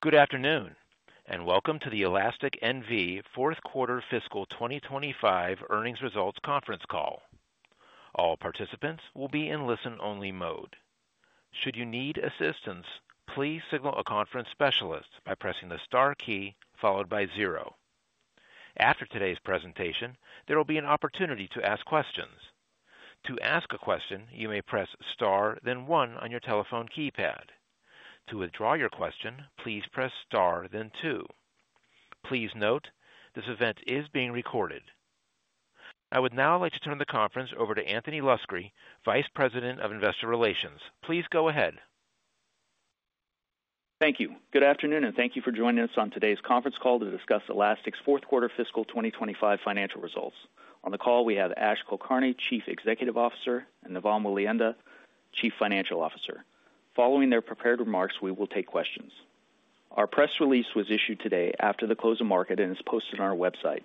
Good afternoon, and welcome to the Elastic NV Fourth Quarter Fiscal 2025 Earnings Results Conference Call. All participants will be in listen-only mode. Should you need assistance, please signal a conference specialist by pressing the star key followed by zero. After today's presentation, there will be an opportunity to ask questions. To ask a question, you may press star, then one on your telephone keypad. To withdraw your question, please press star, then two. Please note, this event is being recorded. I would now like to turn the conference over to Anthony Luscri, Vice President of Investor Relations. Please go ahead. Thank you. Good afternoon, and thank you for joining us on today's conference call to discuss Elastic's fourth quarter fiscal 2025 financial results. On the call, we have Ash Kulkarni, Chief Executive Officer, and Navam Welihinda, Chief Financial Officer. Following their prepared remarks, we will take questions. Our press release was issued today after the close of market and is posted on our website.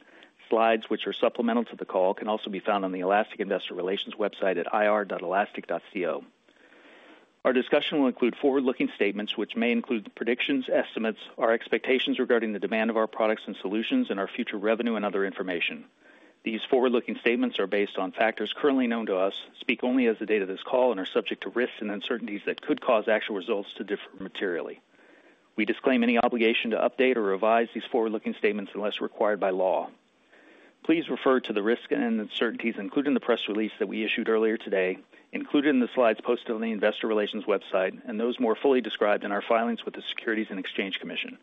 Slides, which are supplemental to the call, can also be found on the Elastic Investor Relations website at ir.elastic.co. Our discussion will include forward-looking statements, which may include predictions, estimates, our expectations regarding the demand of our products and solutions, and our future revenue and other information. These forward-looking statements are based on factors currently known to us, speak only as of the date of this call, and are subject to risks and uncertainties that could cause actual results to differ materially. We disclaim any obligation to update or revise these forward-looking statements unless required by law. Please refer to the risks and uncertainties, including the press release that we issued earlier today, included in the slides posted on the Investor Relations website, and those more fully described in our filings with the Securities and Exchange Commission.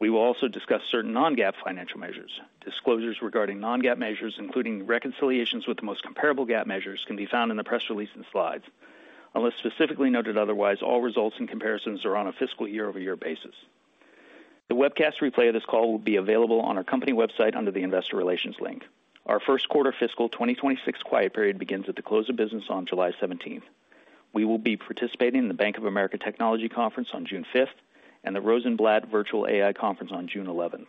We will also discuss certain non-GAAP financial measures. Disclosures regarding non-GAAP measures, including reconciliations with the most comparable GAAP measures, can be found in the press release and slides. Unless specifically noted otherwise, all results and comparisons are on a fiscal year-over-year basis. The webcast replay of this call will be available on our company website under the Investor Relations link. Our First Quarter Fiscal 2026 quiet period begins at the close of business on July 17th. We will be participating in the Bank of America Technology Conference on June 5th and the Rosenblatt Virtual AI Conference on June 11th.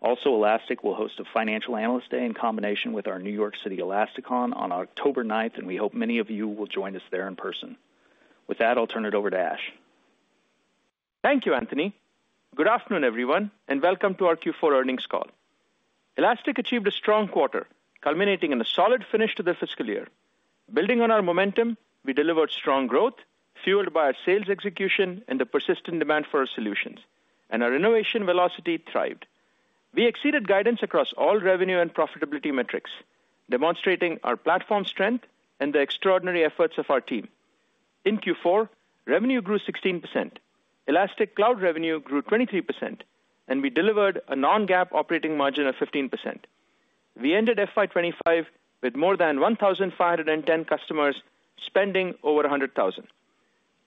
Also, Elastic will host a Financial Analyst Day in combination with our New York City Elastic{ON} on October 9th, and we hope many of you will join us there in person. With that, I'll turn it over to Ash. Thank you, Anthony. Good afternoon, everyone, and welcome to our Q4 earnings call. Elastic achieved a strong quarter, culminating in a solid finish to the fiscal year. Building on our momentum, we delivered strong growth fueled by our sales execution and the persistent demand for our solutions, and our innovation velocity thrived. We exceeded guidance across all revenue and profitability metrics, demonstrating our platform strength and the extraordinary efforts of our team. In Q4, revenue grew 16%, Elastic Cloud revenue grew 23%, and we delivered a non-GAAP operating margin of 15%. We ended FY 2025 with more than 1,510 customers spending over $100,000.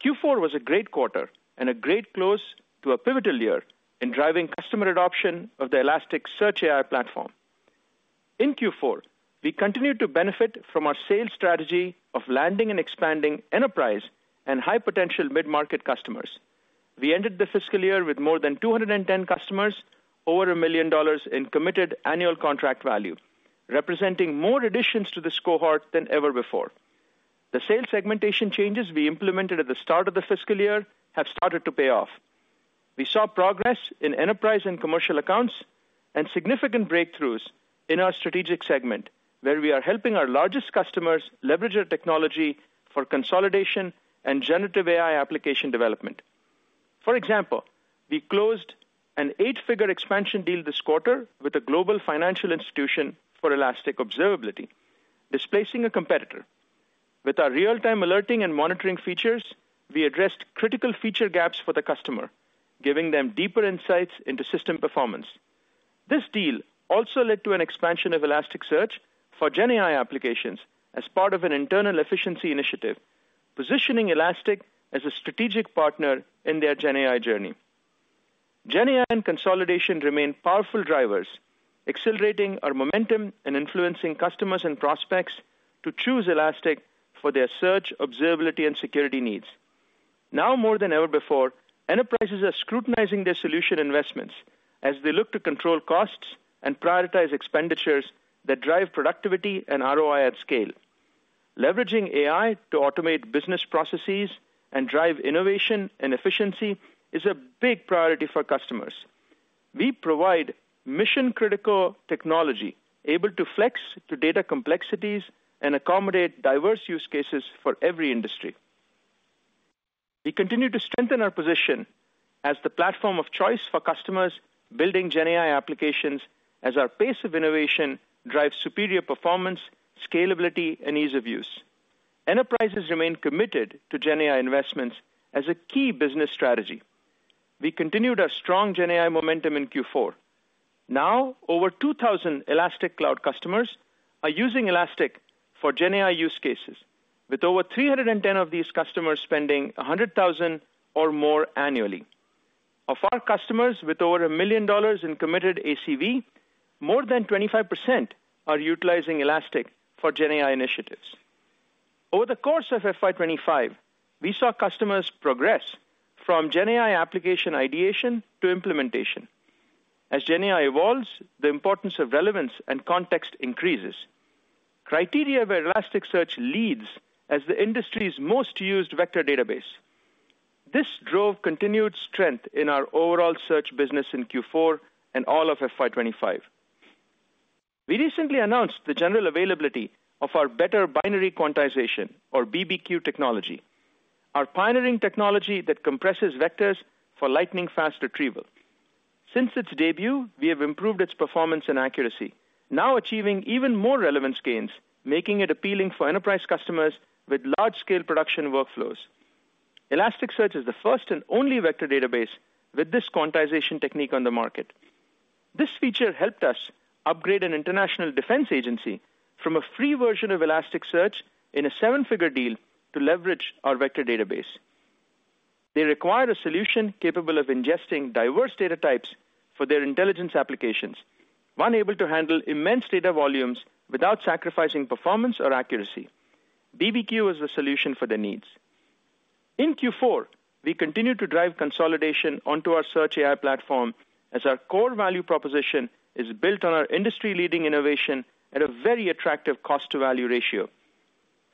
Q4 was a great quarter and a great close to a pivotal year in driving customer adoption of the Elasticsearch AI platform. In Q4, we continued to benefit from our sales strategy of landing and expanding enterprise and high-potential mid-market customers. We ended the fiscal year with more than 210 customers, over $1 million in committed annual contract value, representing more additions to this cohort than ever before. The sales segmentation changes we implemented at the start of the fiscal year have started to pay off. We saw progress in enterprise and commercial accounts and significant breakthroughs in our strategic segment, where we are helping our largest customers leverage our technology for consolidation and generative AI application development. For example, we closed an eight-figure expansion deal this quarter with a global financial institution for Elastic Observability, displacing a competitor. With our real-time alerting and monitoring features, we addressed critical feature gaps for the customer, giving them deeper insights into system performance. This deal also led to an expansion of Elasticsearch for GenAI applications as part of an internal efficiency initiative, positioning Elastic as a strategic partner in their GenAI journey. GenAI and consolidation remain powerful drivers, accelerating our momentum and influencing customers and prospects to choose Elastic for their search, observability, and security needs. Now, more than ever before, enterprises are scrutinizing their solution investments as they look to control costs and prioritize expenditures that drive productivity and ROI at scale. Leveraging AI to automate business processes and drive innovation and efficiency is a big priority for customers. We provide mission-critical technology able to flex to data complexities and accommodate diverse use cases for every industry. We continue to strengthen our position as the platform of choice for customers building GenAI applications as our pace of innovation drives superior performance, scalability, and ease of use. Enterprises remain committed to GenAI investments as a key business strategy. We continued our strong GenAI momentum in Q4. Now, over 2,000 Elastic Cloud customers are using Elastic for GenAI use cases, with over 310 of these customers spending $100,000 or more annually. Of our customers with over $1 million in committed ACV, more than 25% are utilizing Elastic for GenAI initiatives. Over the course of fiscal year 2025, we saw customers progress from GenAI application ideation to implementation. As GenAI evolves, the importance of relevance and context increases. Criteria where Elasticsearch leads as the industry's most used vector database. This drove continued strength in our overall search business in Q4 and all of fiscal year 2025. We recently announced the general availability of our better binary quantization, or BBQ technology, our pioneering technology that compresses vectors for lightning-fast retrieval. Since its debut, we have improved its performance and accuracy, now achieving even more relevance gains, making it appealing for enterprise customers with large-scale production workflows. Elasticsearch is the first and only vector database with this quantization technique on the market. This feature helped us upgrade an international defense agency from a free version of Elasticsearch in a seven-figure deal to leverage our vector database. They require a solution capable of ingesting diverse data types for their intelligence applications, one able to handle immense data volumes without sacrificing performance or accuracy. BBQ is the solution for their needs. In Q4, we continue to drive consolidation onto our search AI platform as our core value proposition is built on our industry-leading innovation at a very attractive cost-to-value ratio.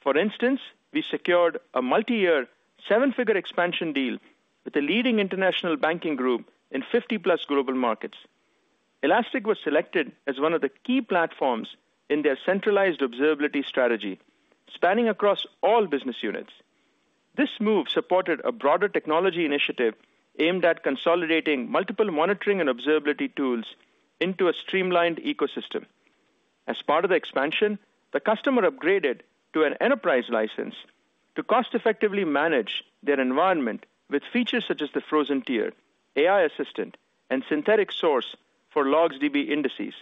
For instance, we secured a multi-year seven-figure expansion deal with a leading international banking group in 50-plus global markets. Elastic was selected as one of the key platforms in their centralized observability strategy, spanning across all business units. This move supported a broader technology initiative aimed at consolidating multiple monitoring and observability tools into a streamlined ecosystem. As part of the expansion, the customer upgraded to an enterprise license to cost-effectively manage their environment with features such as the Frozen tier, AI Assistant, and Synthetic Source for Logsdb indices.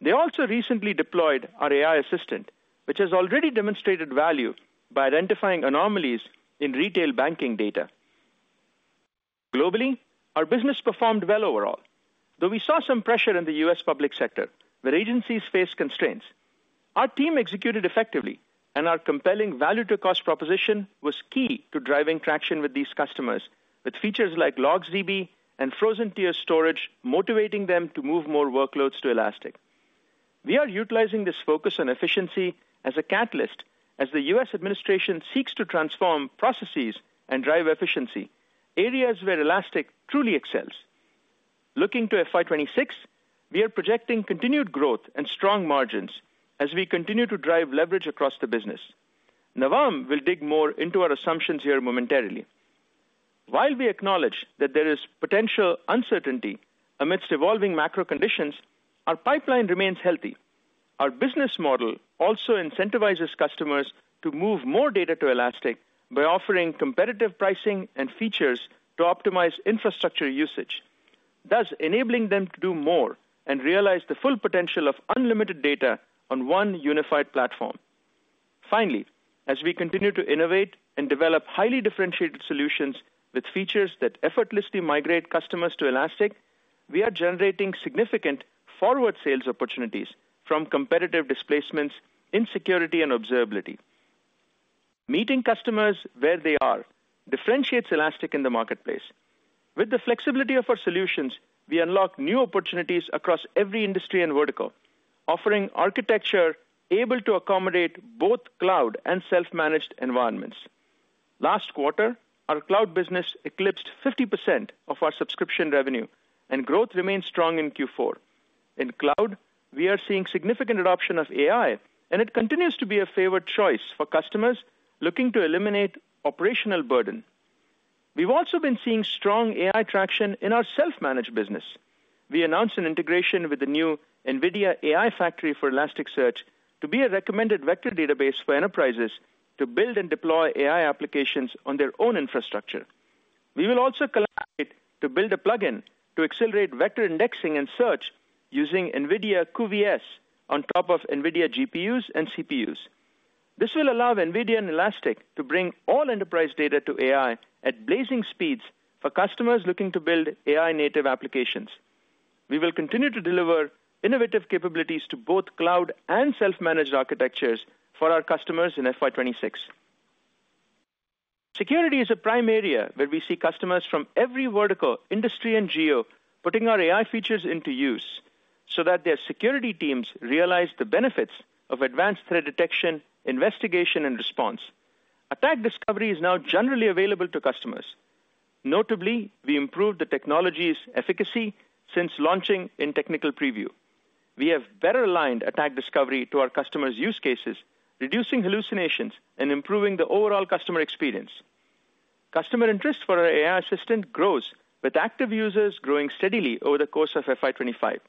They also recently deployed our AI Assistant, which has already demonstrated value by identifying anomalies in retail banking data. Globally, our business performed well overall, though we saw some pressure in the U.S. public sector, where agencies faced constraints. Our team executed effectively, and our compelling value-to-cost proposition was key to driving traction with these customers, with features like Logsdb and Frozen tier storage motivating them to move more workloads to Elastic. We are utilizing this focus on efficiency as a catalyst as the U.S. administration seeks to transform processes and drive efficiency, areas where Elastic truly excels. Looking to FY 2026, we are projecting continued growth and strong margins as we continue to drive leverage across the business. Navam will dig more into our assumptions here momentarily. While we acknowledge that there is potential uncertainty amidst evolving macro conditions, our pipeline remains healthy. Our business model also incentivizes customers to move more data to Elastic by offering competitive pricing and features to optimize infrastructure usage, thus enabling them to do more and realize the full potential of unlimited data on one unified platform. Finally, as we continue to innovate and develop highly differentiated solutions with features that effortlessly migrate customers to Elastic, we are generating significant forward sales opportunities from competitive displacements in security and observability. Meeting customers where they are differentiates Elastic in the marketplace. With the flexibility of our solutions, we unlock new opportunities across every industry and vertical, offering architecture able to accommodate both cloud and self-managed environments. Last quarter, our cloud business eclipsed 50% of our subscription revenue, and growth remained strong in Q4. In cloud, we are seeing significant adoption of AI, and it continues to be a favored choice for customers looking to eliminate operational burden. We've also been seeing strong AI traction in our self-managed business. We announced an integration with the new NVIDIA AI Factory for Elasticsearch to be a recommended vector database for enterprises to build and deploy AI applications on their own infrastructure. We will also collaborate to build a plugin to accelerate vector indexing and search using NVIDIA cuVS on top of NVIDIA GPUs and CPUs. This will allow NVIDIA and Elastic to bring all enterprise data to AI at blazing speeds for customers looking to build AI-native applications. We will continue to deliver innovative capabilities to both cloud and self-managed architectures for our customers in FY 2026. Security is a prime area where we see customers from every vertical, industry, and geo putting our AI features into use so that their security teams realize the benefits of advanced threat detection, investigation, and response. Attack Discovery is now generally available to customers. Notably, we improved the technology's efficacy since launching in technical preview. We have better aligned Attack Discovery to our customers' use cases, reducing hallucinations and improving the overall customer experience. Customer interest for our AI Assistant grows, with active users growing steadily over the course of FY 2025.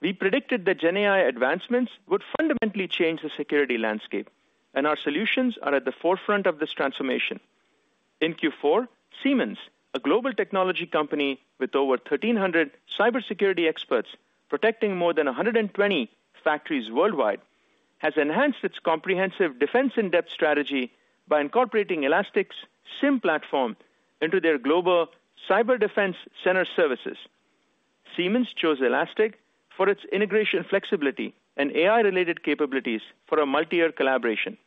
We predicted that GenAI advancements would fundamentally change the security landscape, and our solutions are at the forefront of this transformation. In Q4, Siemens, a global technology company with over 1,300 cybersecurity experts protecting more than 120 factories worldwide, has enhanced its comprehensive defense-in-depth strategy by incorporating Elastic's SIEM platform into their global cyber defense center services. Siemens chose Elastic for its integration flexibility and AI-related capabilities for a multi-year collaboration.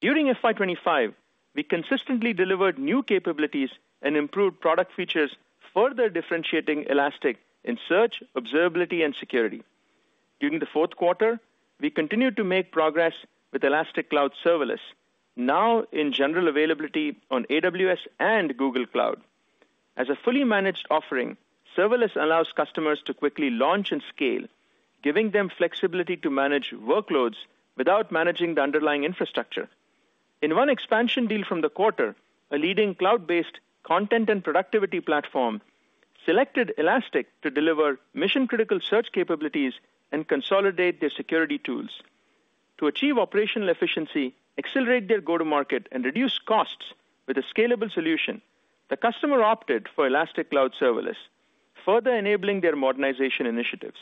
During FY2025, we consistently delivered new capabilities and improved product features, further differentiating Elastic in search, observability, and security. During the fourth quarter, we continued to make progress with Elastic Cloud Serverless, now in general availability on AWS and Google Cloud. As a fully managed offering, Serverless allows customers to quickly launch and scale, giving them flexibility to manage workloads without managing the underlying infrastructure. In one expansion deal from the quarter, a leading cloud-based content and productivity platform selected Elastic to deliver mission-critical search capabilities and consolidate their security tools. To achieve operational efficiency, accelerate their go-to-market, and reduce costs with a scalable solution, the customer opted for Elastic Cloud Serverless, further enabling their modernization initiatives.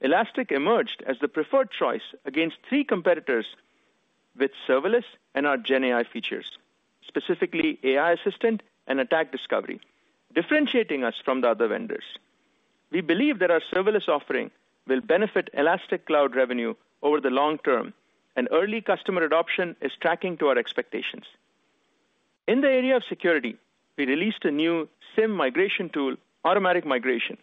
Elastic emerged as the preferred choice against three competitors with Serverless and our GenAI features, specifically AI Assistant and Attack Discovery, differentiating us from the other vendors. We believe that our Serverless offering will benefit Elastic Cloud revenue over the long term, and early customer adoption is tracking to our expectations. In the area of security, we released a new SIEM migration tool, Automatic Migration.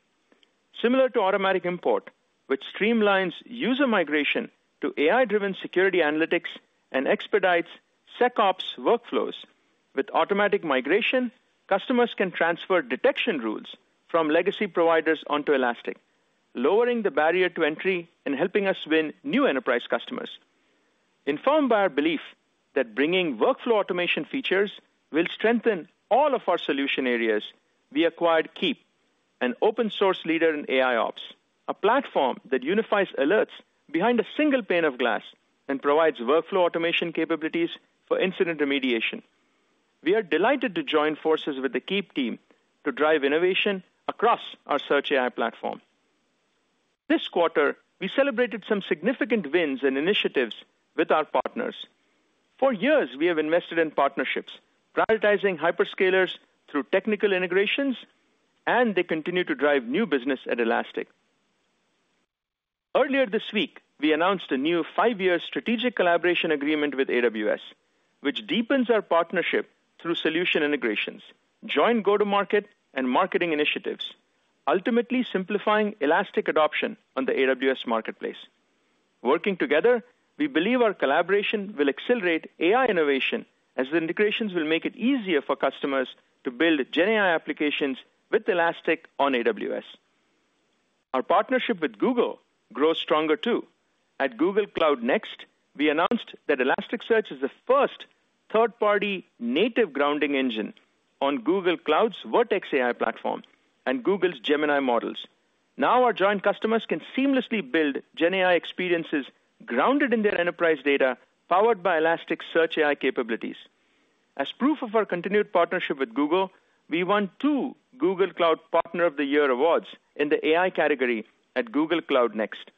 Similar to Automatic Import, which streamlines user migration to AI-driven security analytics and expedites SecOps workflows. With Automatic Migration, customers can transfer detection rules from legacy providers onto Elastic, lowering the barrier to entry and helping us win new enterprise customers. Informed by our belief that bringing workflow automation features will strengthen all of our solution areas, we acquired Keep, an open-source leader in AIOps, a platform that unifies alerts behind a single pane of glass and provides workflow automation capabilities for incident remediation. We are delighted to join forces with the Keep team to drive innovation across our Search AI platform. This quarter, we celebrated some significant wins and initiatives with our partners. For years, we have invested in partnerships, prioritizing hyperscalers through technical integrations, and they continue to drive new business at Elastic. Earlier this week, we announced a new five-year strategic collaboration agreement with AWS, which deepens our partnership through solution integrations, joint go-to-market, and marketing initiatives, ultimately simplifying Elastic adoption on the AWS marketplace. Working together, we believe our collaboration will accelerate AI innovation as the integrations will make it easier for customers to build GenAI applications with Elastic on AWS. Our partnership with Google grows stronger too. At Google Cloud Next, we announced that Elasticsearch is the first third-party native grounding engine on Google Cloud's Vertex AI platform and Google's Gemini models. Now, our joint customers can seamlessly build GenAI experiences grounded in their enterprise data, powered by Elasticsearch AI capabilities. As proof of our continued partnership with Google, we won two Google Cloud Partner of the Year awards in the AI category at Google Cloud Next.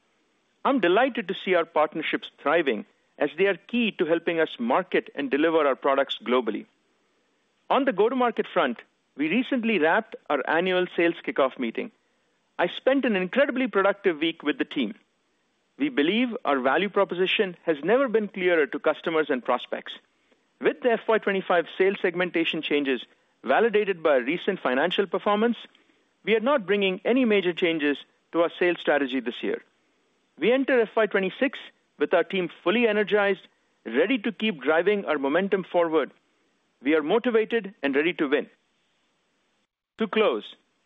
I'm delighted to see our partnerships thriving as they are key to helping us market and deliver our products globally. On the go-to-market front, we recently wrapped our annual sales kickoff meeting. I spent an incredibly productive week with the team. We believe our value proposition has never been clearer to customers and prospects. With the FY 2025 sales segmentation changes validated by recent financial performance, we are not bringing any major changes to our sales strategy this year. We enter FY 2026 with our team fully energized, ready to keep driving our momentum forward. We are motivated and ready to win. To close,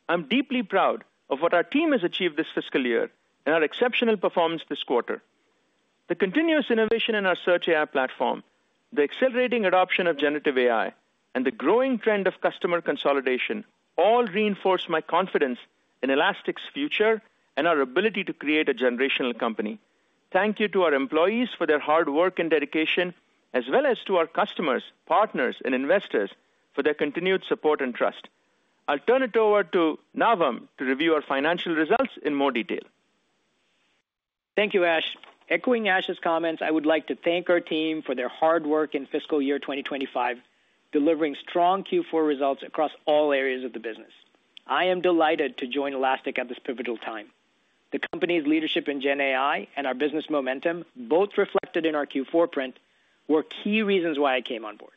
I'm deeply proud of what our team has achieved this fiscal year and our exceptional performance this quarter. The continuous innovation in our Search AI platform, the accelerating adoption of generative AI, and the growing trend of customer consolidation all reinforce my confidence in Elastic's future and our ability to create a generational company. Thank you to our employees for their hard work and dedication, as well as to our customers, partners, and investors for their continued support and trust. I'll turn it over to Navam to review our financial results in more detail. Thank you, Ash. Echoing Ash's comments, I would like to thank our team for their hard work in fiscal year 2025, delivering strong Q4 results across all areas of the business. I am delighted to join Elastic at this pivotal time. The company's leadership in GenAI and our business momentum, both reflected in our Q4 print, were key reasons why I came on board.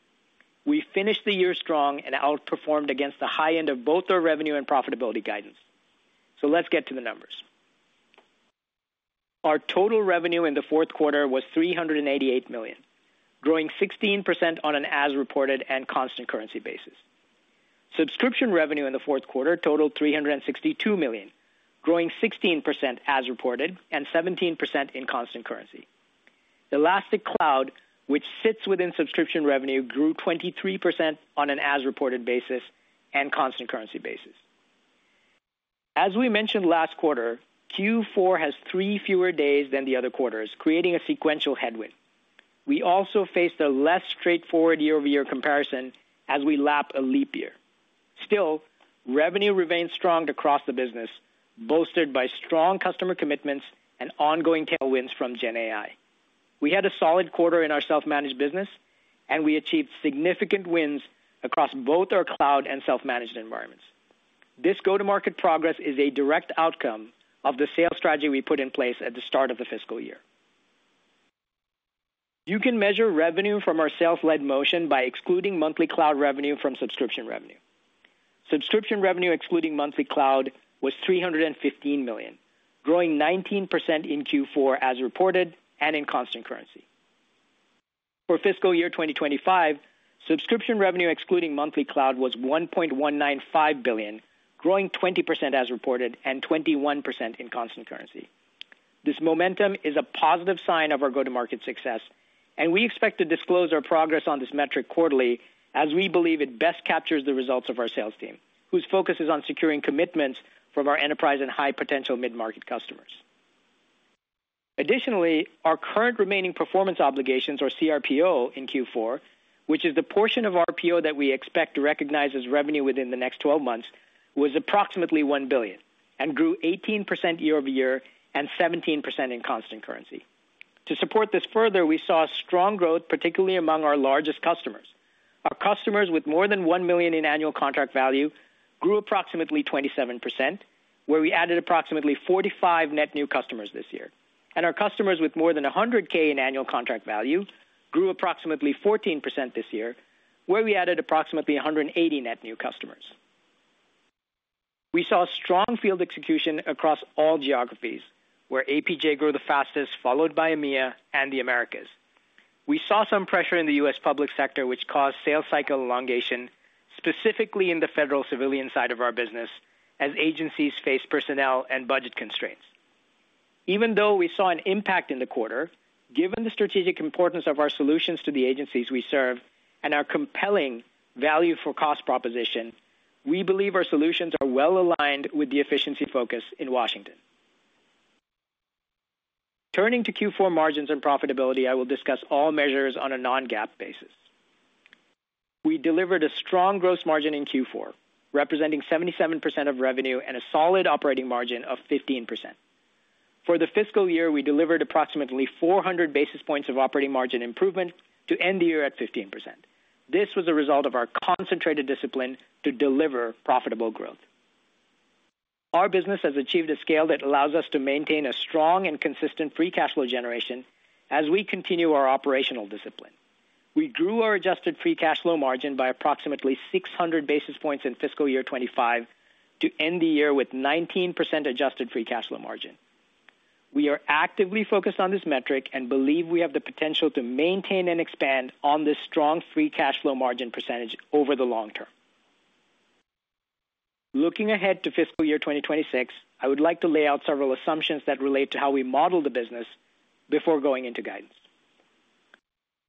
We finished the year strong and outperformed against the high end of both our revenue and profitability guidance. Let's get to the numbers. Our total revenue in the fourth quarter was $388 million, growing 16% on an as-reported and constant currency basis. Subscription revenue in the fourth quarter totaled $362 million, growing 16% as reported and 17% in constant currency. Elastic Cloud, which sits within subscription revenue, grew 23% on an as-reported basis and constant currency basis. As we mentioned last quarter, Q4 has three fewer days than the other quarters, creating a sequential headwind. We also faced a less straightforward year-over-year comparison as we lap a leap year. Still, revenue remained strong across the business, bolstered by strong customer commitments and ongoing tailwinds from GenAI. We had a solid quarter in our self-managed business, and we achieved significant wins across both our cloud and self-managed environments. This go-to-market progress is a direct outcome of the sales strategy we put in place at the start of the fiscal year. You can measure revenue from our sales-led motion by excluding monthly cloud revenue from subscription revenue. Subscription revenue excluding monthly cloud was $315 million, growing 19% in Q4 as reported and in constant currency. For fiscal year 2025, subscription revenue excluding monthly cloud was $1.195 billion, growing 20% as reported and 21% in constant currency. This momentum is a positive sign of our go-to-market success, and we expect to disclose our progress on this metric quarterly as we believe it best captures the results of our sales team, whose focus is on securing commitments from our enterprise and high-potential mid-market customers. Additionally, our current remaining performance obligations, or CRPO, in Q4, which is the portion of RPO that we expect to recognize as revenue within the next 12 months, was approximately $1 billion and grew 18% year-over-year and 17% in constant currency. To support this further, we saw strong growth, particularly among our largest customers. Our customers with more than $1 million in annual contract value grew approximately 27%, where we added approximately 45 net new customers this year. Our customers with more than $100,000 in annual contract value grew approximately 14% this year, where we added approximately 180 net new customers. We saw strong field execution across all geographies, where APJ grew the fastest, followed by EMEA and the Americas. We saw some pressure in the U.S. public sector, which caused sales cycle elongation, specifically in the federal civilian side of our business as agencies faced personnel and budget constraints. Even though we saw an impact in the quarter, given the strategic importance of our solutions to the agencies we serve and our compelling value for cost proposition, we believe our solutions are well aligned with the efficiency focus in Washington. Turning to Q4 margins and profitability, I will discuss all measures on a non-GAAP basis. We delivered a strong gross margin in Q4, representing 77% of revenue and a solid operating margin of 15%. For the fiscal year, we delivered approximately 400 basis points of operating margin improvement to end the year at 15%. This was a result of our concentrated discipline to deliver profitable growth. Our business has achieved a scale that allows us to maintain a strong and consistent free cash flow generation as we continue our operational discipline. We grew our adjusted free cash flow margin by approximately 600 basis points in fiscal year 2025 to end the year with 19% adjusted free cash flow margin. We are actively focused on this metric and believe we have the potential to maintain and expand on this strong free cash flow margin percentage over the long term. Looking ahead to fiscal year 2026, I would like to lay out several assumptions that relate to how we model the business before going into guidance.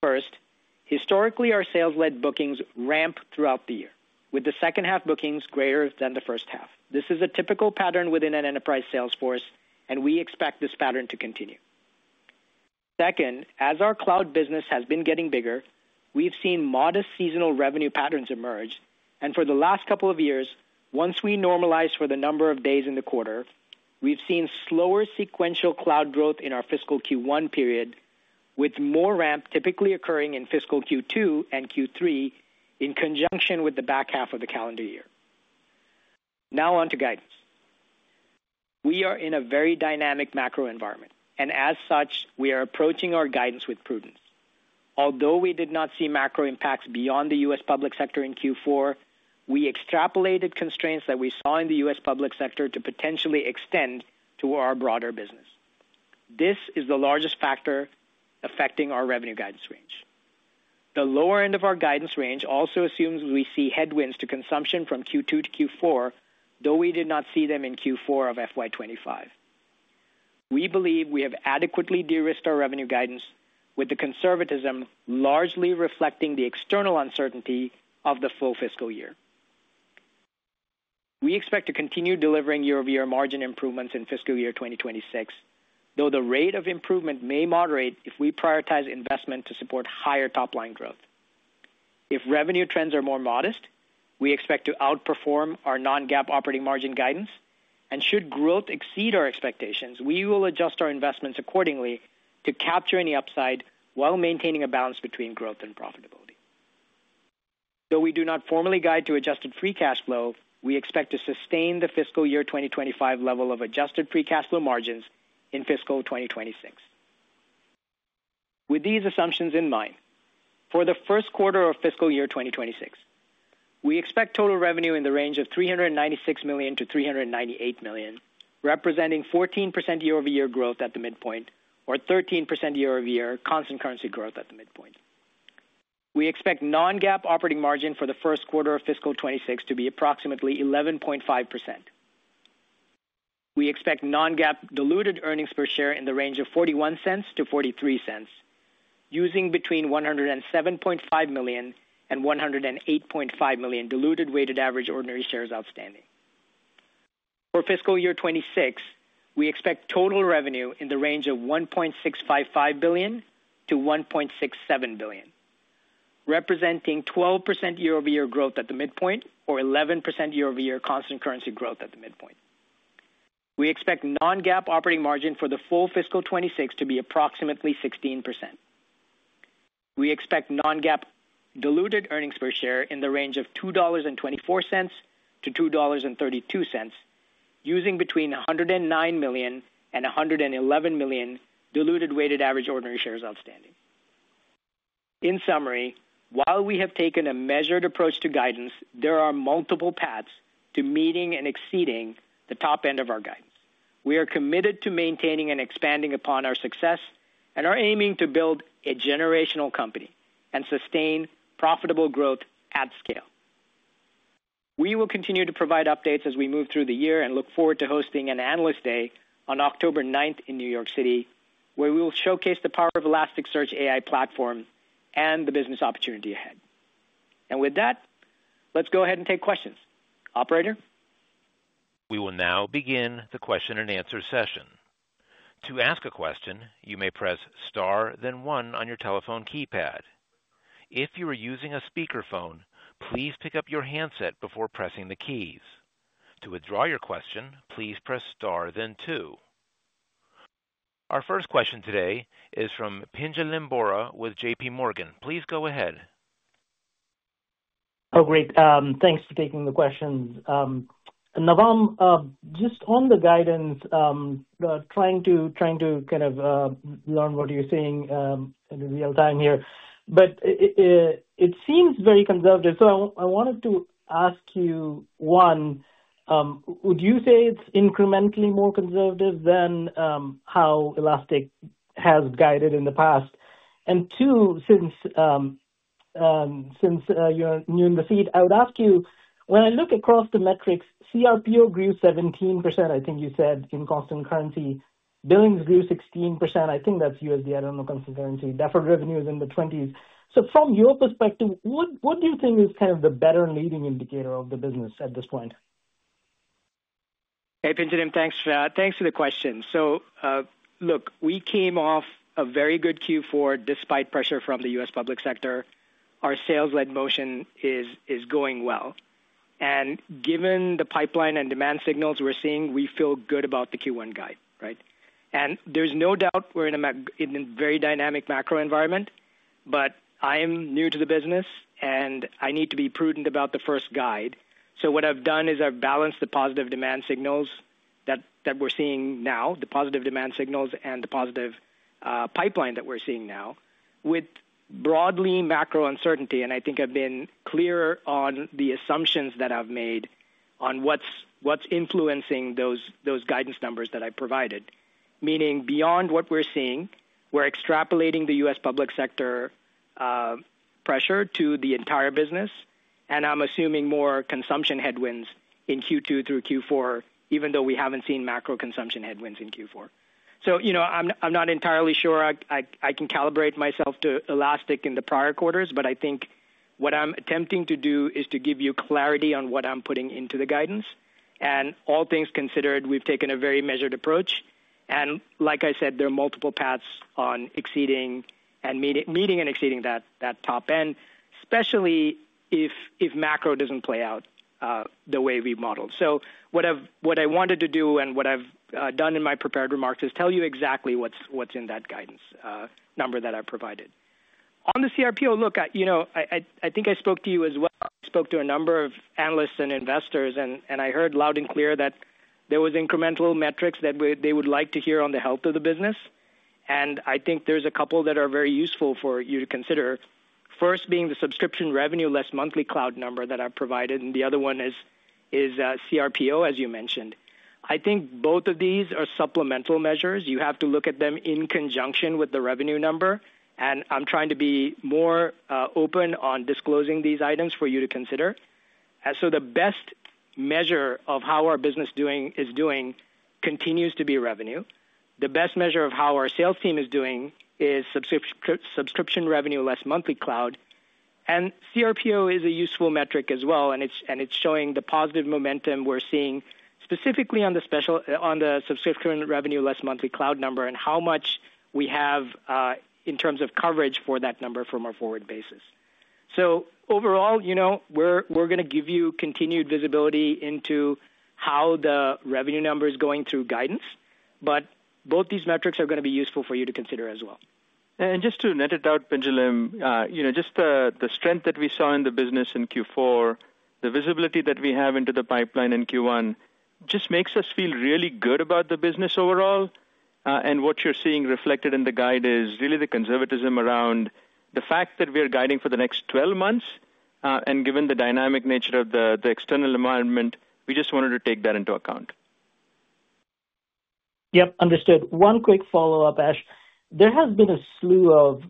First, historically, our sales-led bookings ramp throughout the year, with the second half bookings greater than the first half. This is a typical pattern within an enterprise sales force, and we expect this pattern to continue. Second, as our cloud business has been getting bigger, we've seen modest seasonal revenue patterns emerge. For the last couple of years, once we normalized for the number of days in the quarter, we've seen slower sequential cloud growth in our fiscal Q1 period, with more ramp typically occurring in fiscal Q2 and Q3 in conjunction with the back half of the calendar year. Now on to guidance. We are in a very dynamic macro environment, and as such, we are approaching our guidance with prudence. Although we did not see macro impacts beyond the U.S. public sector in Q4, we extrapolated constraints that we saw in the U.S. public sector to potentially extend to our broader business. This is the largest factor affecting our revenue guidance range. The lower end of our guidance range also assumes we see headwinds to consumption from Q2 to Q4, though we did not see them in Q4 of 2025. We believe we have adequately de-risked our revenue guidance, with the conservatism largely reflecting the external uncertainty of the full fiscal year. We expect to continue delivering year-over-year margin improvements in fiscal year 2026, though the rate of improvement may moderate if we prioritize investment to support higher top-line growth. If revenue trends are more modest, we expect to outperform our non-GAAP operating margin guidance. Should growth exceed our expectations, we will adjust our investments accordingly to capture any upside while maintaining a balance between growth and profitability. Though we do not formally guide to adjusted free cash flow, we expect to sustain the fiscal year 2025 level of adjusted free cash flow margins in fiscal 2026. With these assumptions in mind, for the first quarter of fiscal year 2026, we expect total revenue in the range of $396 million-$398 million, representing 14% year-over-year growth at the midpoint or 13% year-over-year constant currency growth at the midpoint. We expect non-GAAP operating margin for the first quarter of fiscal 2026 to be approximately 11.5%. We expect non-GAAP diluted earnings per share in the range of $0.41-$0.43, using between 107.5 million and 108.5 million diluted weighted average ordinary shares outstanding. For fiscal year 2026, we expect total revenue in the range of $1.655 billion-$1.67 billion, representing 12% year-over-year growth at the midpoint or 11% year-over-year constant currency growth at the midpoint. We expect non-GAAP operating margin for the full fiscal 2026 to be approximately 16%. We expect non-GAAP diluted earnings per share in the range of $2.24-$2.32, using between $109 million and $111 million diluted weighted average ordinary shares outstanding. In summary, while we have taken a measured approach to guidance, there are multiple paths to meeting and exceeding the top end of our guidance. We are committed to maintaining and expanding upon our success and are aiming to build a generational company and sustain profitable growth at scale. We will continue to provide updates as we move through the year and look forward to hosting an Analyst Day on October 9th in New York City, where we will showcase the power of Elasticsearch AI platform and the business opportunity ahead. Let's go ahead and take questions. Operator. We will now begin the question and answer session. To ask a question, you may press star, then one on your telephone keypad. If you are using a speakerphone, please pick up your handset before pressing the keys. To withdraw your question, please press star, then two. Our first question today is from Pinjalim Bora with J.P. Morgan. Please go ahead. Oh, great. Thanks for taking the questions. Navam, just on the guidance, trying to kind of learn what you're saying in real time here. It seems very conservative. I wanted to ask you, one, would you say it's incrementally more conservative than how Elastic has guided in the past? Two, since you're new in the seat, I would ask you, when I look across the metrics, CRPO grew 17%, I think you said, in constant currency. Billings grew 16%. I think that's USD, I don't know, constant currency. Deferred revenue is in the 20s. From your perspective, what do you think is kind of the better leading indicator of the business at this point? Hey, Pinja, thanks for the question. Look, we came off a very good Q4 despite pressure from the U.S. public sector. Our sales-led motion is going well. Given the pipeline and demand signals we're seeing, we feel good about the Q1 guide, right? There's no doubt we're in a very dynamic macro environment, but I am new to the business and I need to be prudent about the first guide. What I've done is I've balanced the positive demand signals that we're seeing now, the positive demand signals and the positive pipeline that we're seeing now, with broadly macro uncertainty. I think I've been clearer on the assumptions that I've made on what's influencing those guidance numbers that I provided, meaning beyond what we're seeing, we're extrapolating the U.S. public sector pressure to the entire business. I'm assuming more consumption headwinds in Q2 through Q4, even though we haven't seen macro consumption headwinds in Q4. I'm not entirely sure I can calibrate myself to Elastic in the prior quarters, but I think what I'm attempting to do is to give you clarity on what I'm putting into the guidance. All things considered, we've taken a very measured approach. Like I said, there are multiple paths on meeting and exceeding that top end, especially if macro doesn't play out the way we've modeled. What I wanted to do and what I've done in my prepared remarks is tell you exactly what's in that guidance number that I provided. On the CRPO, look, I think I spoke to you as well. I spoke to a number of analysts and investors, and I heard loud and clear that there were incremental metrics that they would like to hear on the health of the business. I think there's a couple that are very useful for you to consider. First being the subscription revenue less monthly cloud number that I've provided, and the other one is CRPO, as you mentioned. I think both of these are supplemental measures. You have to look at them in conjunction with the revenue number. I'm trying to be more open on disclosing these items for you to consider. The best measure of how our business is doing continues to be revenue. The best measure of how our sales team is doing is subscription revenue less monthly cloud. CRPO is a useful metric as well, and it is showing the positive momentum we are seeing specifically on the subscription revenue less monthly cloud number and how much we have in terms of coverage for that number from a forward basis. Overall, we are going to give you continued visibility into how the revenue number is going through guidance, but both these metrics are going to be useful for you to consider as well. Just to net it out, Pinjalim Bora, just the strength that we saw in the business in Q4, the visibility that we have into the pipeline in Q1 just makes us feel really good about the business overall. What you are seeing reflected in the guide is really the conservatism around the fact that we are guiding for the next 12 months. Given the dynamic nature of the external environment, we just wanted to take that into account. Yep, understood. One quick follow-up, Ash. There has been a slew of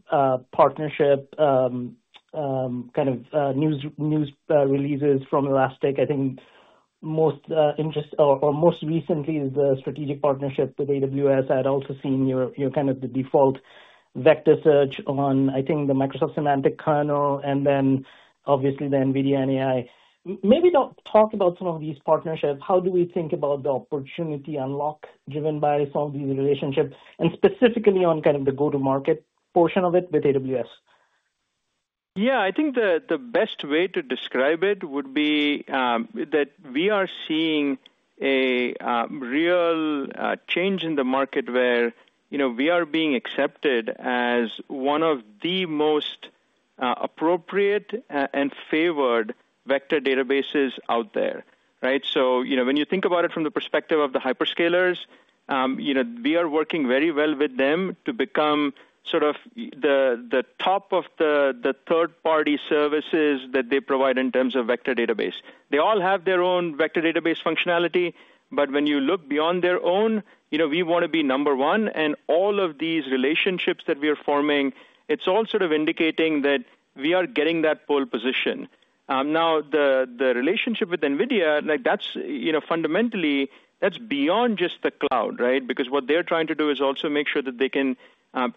partnership kind of news releases from Elastic. I think most recently, the strategic partnership with AWS. I had also seen your kind of the default vector search on, I think, the Microsoft Semantic Kernel, and then obviously the NVIDIA and AI. Maybe talk about some of these partnerships. How do we think about the opportunity unlock driven by some of these relationships and specifically on kind of the go-to-market portion of it with AWS? Yeah, I think the best way to describe it would be that we are seeing a real change in the market where we are being accepted as one of the most appropriate and favored vector databases out there, right? When you think about it from the perspective of the hyperscalers, we are working very well with them to become sort of the top of the third-party services that they provide in terms of vector database. They all have their own vector database functionality, but when you look beyond their own, we want to be number one. All of these relationships that we are forming, it's all sort of indicating that we are getting that pole position. Now, the relationship with NVIDIA, fundamentally, that's beyond just the cloud, right? Because what they're trying to do is also make sure that they can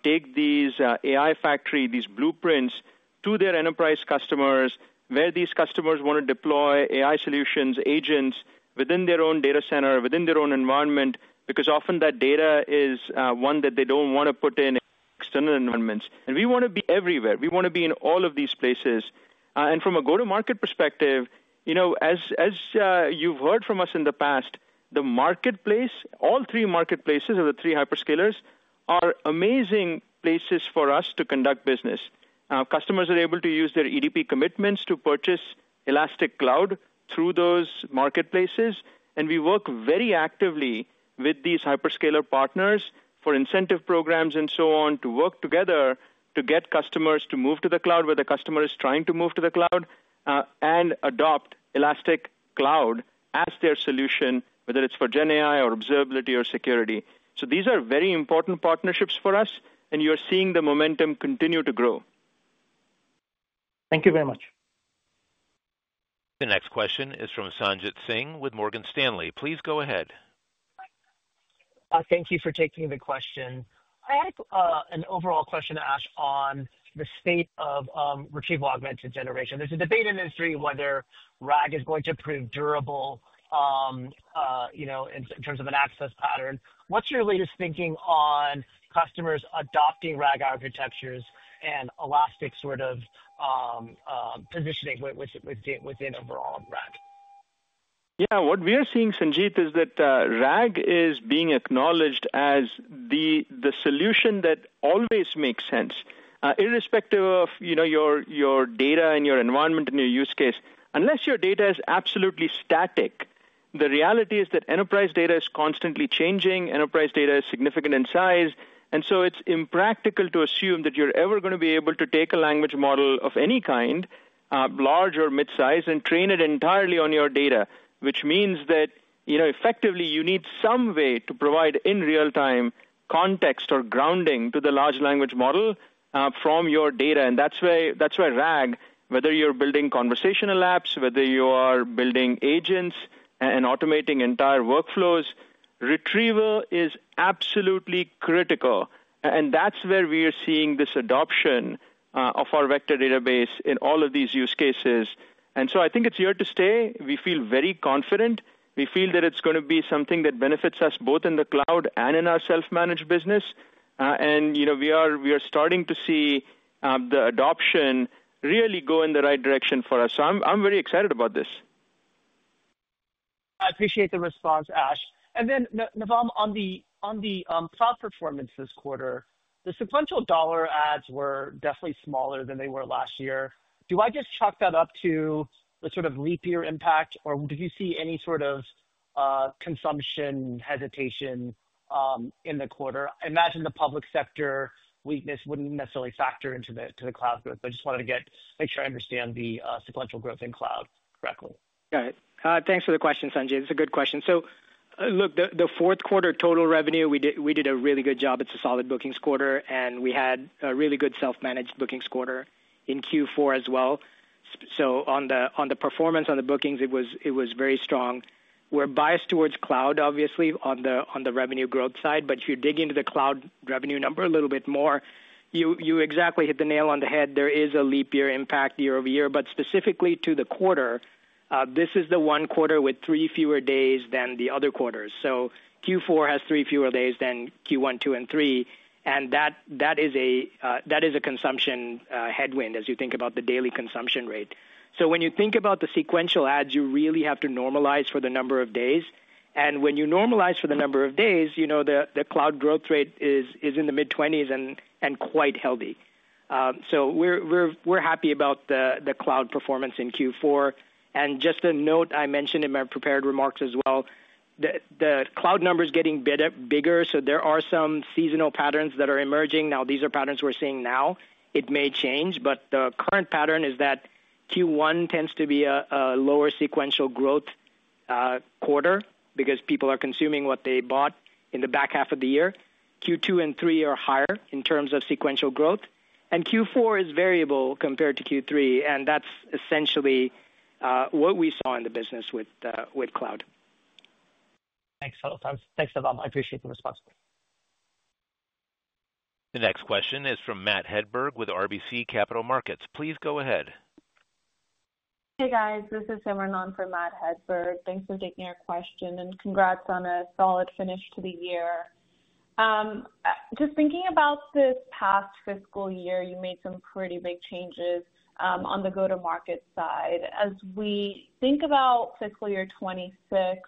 take these AI factory, these blueprints to their enterprise customers where these customers want to deploy AI solutions, agents within their own data center, within their own environment, because often that data is one that they do not want to put in external environments. We want to be everywhere. We want to be in all of these places. From a go-to-market perspective, as you have heard from us in the past, the marketplace, all three marketplaces of the three hyperscalers are amazing places for us to conduct business. Customers are able to use their EDP commitments to purchase Elastic Cloud through those marketplaces. We work very actively with these hyperscaler partners for incentive programs and so on to work together to get customers to move to the cloud where the customer is trying to move to the cloud and adopt Elastic Cloud as their solution, whether it's for GenAI or observability or security. These are very important partnerships for us, and you're seeing the momentum continue to grow. Thank you very much. The next question is from Sanjit Singh with Morgan Stanley. Please go ahead. Thank you for taking the question. I had an overall question to ask on the state of retrieval augmented generation. There's a debate in the industry whether RAG is going to prove durable in terms of an access pattern. What's your latest thinking on customers adopting RAG architectures and Elastic sort of positioning within overall RAG? Yeah, what we are seeing, Sanjit, is that RAG is being acknowledged as the solution that always makes sense, irrespective of your data and your environment and your use case. Unless your data is absolutely static, the reality is that enterprise data is constantly changing. Enterprise data is significant in size. It is impractical to assume that you're ever going to be able to take a language model of any kind, large or mid-size, and train it entirely on your data, which means that effectively you need some way to provide in real-time context or grounding to the large language model from your data. That is why RAG, whether you're building conversational apps, whether you are building agents and automating entire workflows, retrieval is absolutely critical. That is where we are seeing this adoption of our vector database in all of these use cases. I think it's here to stay. We feel very confident. We feel that it's going to be something that benefits us both in the cloud and in our self-managed business. We are starting to see the adoption really go in the right direction for us. I'm very excited about this. I appreciate the response, Ash. Navam, on the cloud performance this quarter, the sequential dollar adds were definitely smaller than they were last year. Do I just chalk that up to the sort of leap year impact, or did you see any sort of consumption hesitation in the quarter? I imagine the public sector weakness wouldn't necessarily factor into the cloud growth, but I just wanted to make sure I understand the sequential growth in cloud correctly. Got it. Thanks for the question, Sanjit. It's a good question. Look, the fourth quarter total revenue, we did a really good job. It's a solid bookings quarter, and we had a really good self-managed bookings quarter in Q4 as well. On the performance on the bookings, it was very strong. We're biased towards cloud, obviously, on the revenue growth side. If you dig into the cloud revenue number a little bit more, you exactly hit the nail on the head. There is a leap year impact year over year, but specifically to the quarter, this is the one quarter with three fewer days than the other quarters. Q4 has three fewer days than Q1, Q2, and Q3. That is a consumption headwind as you think about the daily consumption rate. When you think about the sequential ads, you really have to normalize for the number of days. When you normalize for the number of days, the cloud growth rate is in the mid-20s and quite healthy. We are happy about the cloud performance in Q4. Just a note I mentioned in my prepared remarks as well, the cloud number is getting bigger. There are some seasonal patterns that are emerging. These are patterns we are seeing now. It may change, but the current pattern is that Q1 tends to be a lower sequential growth quarter because people are consuming what they bought in the back half of the year. Q2 and Q3 are higher in terms of sequential growth. Q4 is variable compared to Q3, and that is essentially what we saw in the business with cloud. Thanks, Navam. I appreciate the response. The next question is from Matt Hedberg with RBC Capital Markets. Please go ahead. Hey, guys. This is Simranon from Matt Hedberg. Thanks for taking our question and congrats on a solid finish to the year. Just thinking about this past fiscal year, you made some pretty big changes on the go-to-market side. As we think about fiscal year 2026,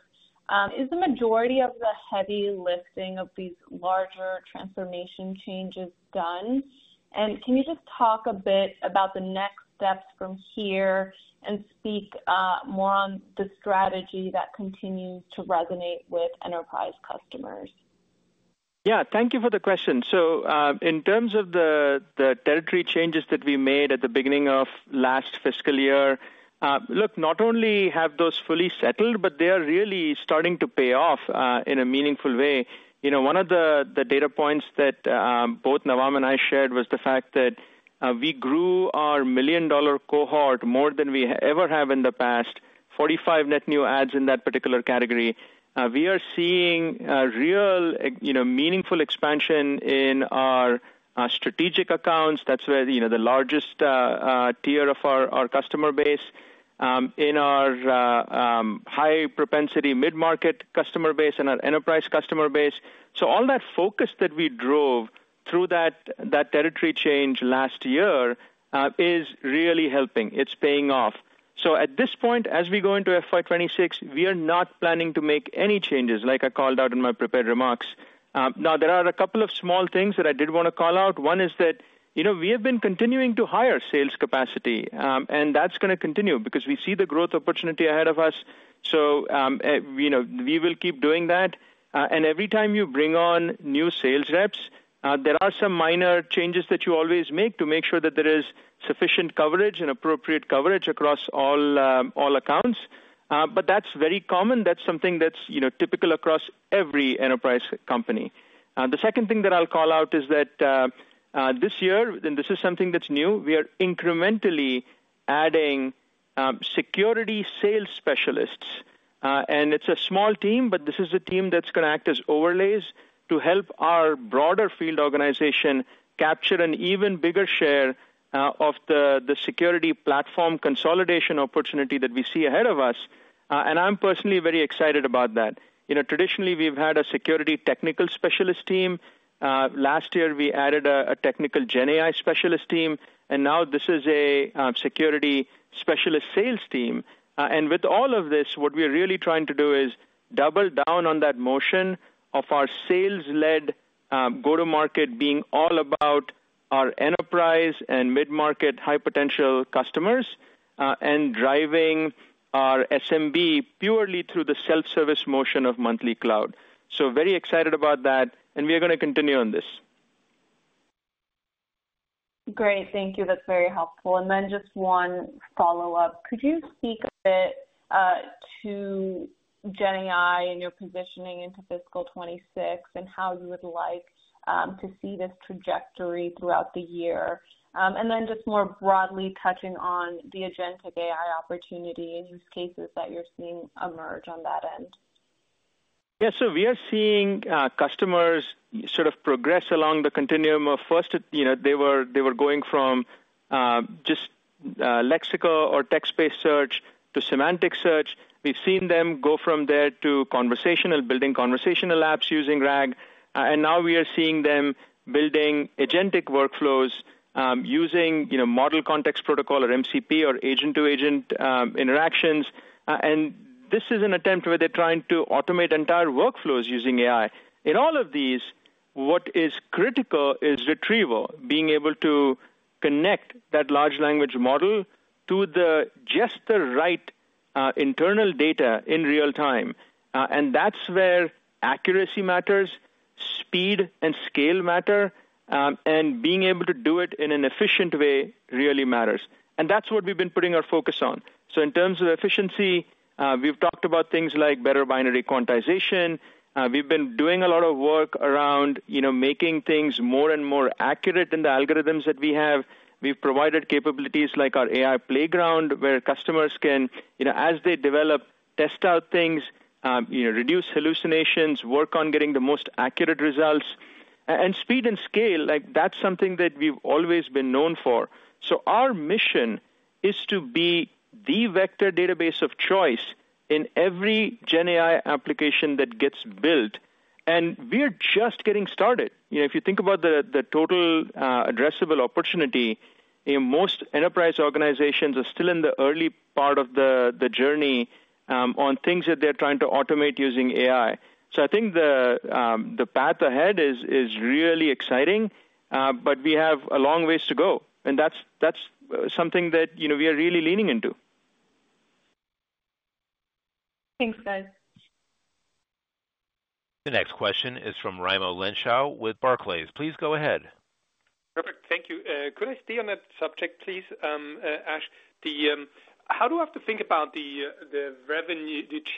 is the majority of the heavy lifting of these larger transformation changes done? Can you just talk a bit about the next steps from here and speak more on the strategy that continues to resonate with enterprise customers? Yeah, thank you for the question. In terms of the territory changes that we made at the beginning of last fiscal year, look, not only have those fully settled, but they are really starting to pay off in a meaningful way. One of the data points that both Navam and I shared was the fact that we grew our million-dollar cohort more than we ever have in the past, 45 net new ads in that particular category. We are seeing real meaningful expansion in our strategic accounts. That is where the largest tier of our customer base is, in our high-propensity mid-market customer base and our enterprise customer base. All that focus that we drove through that territory change last year is really helping. It is paying off. At this point, as we go into FY 2026, we are not planning to make any changes like I called out in my prepared remarks. There are a couple of small things that I did want to call out. One is that we have been continuing to hire sales capacity, and that is going to continue because we see the growth opportunity ahead of us. We will keep doing that. Every time you bring on new sales reps, there are some minor changes that you always make to make sure that there is sufficient coverage and appropriate coverage across all accounts. That is very common. That is something that is typical across every enterprise company. The second thing that I will call out is that this year, and this is something that is new, we are incrementally adding security sales specialists. It is a small team, but this is a team that is going to act as overlays to help our broader field organization capture an even bigger share of the security platform consolidation opportunity that we see ahead of us. I am personally very excited about that. Traditionally, we have had a security technical specialist team. Last year, we added a technical GenAI specialist team, and now this is a security specialist sales team. With all of this, what we are really trying to do is double down on that motion of our sales-led go-to-market being all about our enterprise and mid-market high-potential customers and driving our SMB purely through the self-service motion of monthly cloud. I am very excited about that, and we are going to continue on this. Great. Thank you. That is very helpful. One follow-up. Could you speak a bit to GenAI and your positioning into fiscal 2026 and how you would like to see this trajectory throughout the year? More broadly, touching on the agentic AI opportunity and use cases that you are seeing emerge on that end. Yeah, we are seeing customers sort of progress along the continuum of first, they were going from just lexical or text-based search to semantic search. We've seen them go from there to conversational, building conversational apps using RAG. We are now seeing them building agentic workflows using Model Context Protocol or MCP or agent-to-agent interactions. This is an attempt where they're trying to automate entire workflows using AI. In all of these, what is critical is retrieval, being able to connect that large language model to just the right internal data in real time. That's where accuracy matters, speed and scale matter, and being able to do it in an efficient way really matters. That's what we've been putting our focus on. In terms of efficiency, we've talked about things like better binary quantization. We've been doing a lot of work around making things more and more accurate in the algorithms that we have. We've provided capabilities like our AI playground where customers can, as they develop, test out things, reduce hallucinations, work on getting the most accurate results. Speed and scale, that's something that we've always been known for. Our mission is to be the vector database of choice in every GenAI application that gets built. We are just getting started. If you think about the total addressable opportunity, most enterprise organizations are still in the early part of the journey on things that they're trying to automate using AI. I think the path ahead is really exciting, but we have a long ways to go. That's something that we are really leaning into. Thanks, guys. The next question is from Raimo Lenschow with Barclays. Please go ahead. Perfect. Thank you. Could I stay on that subject, please, Ash? How do I have to think about the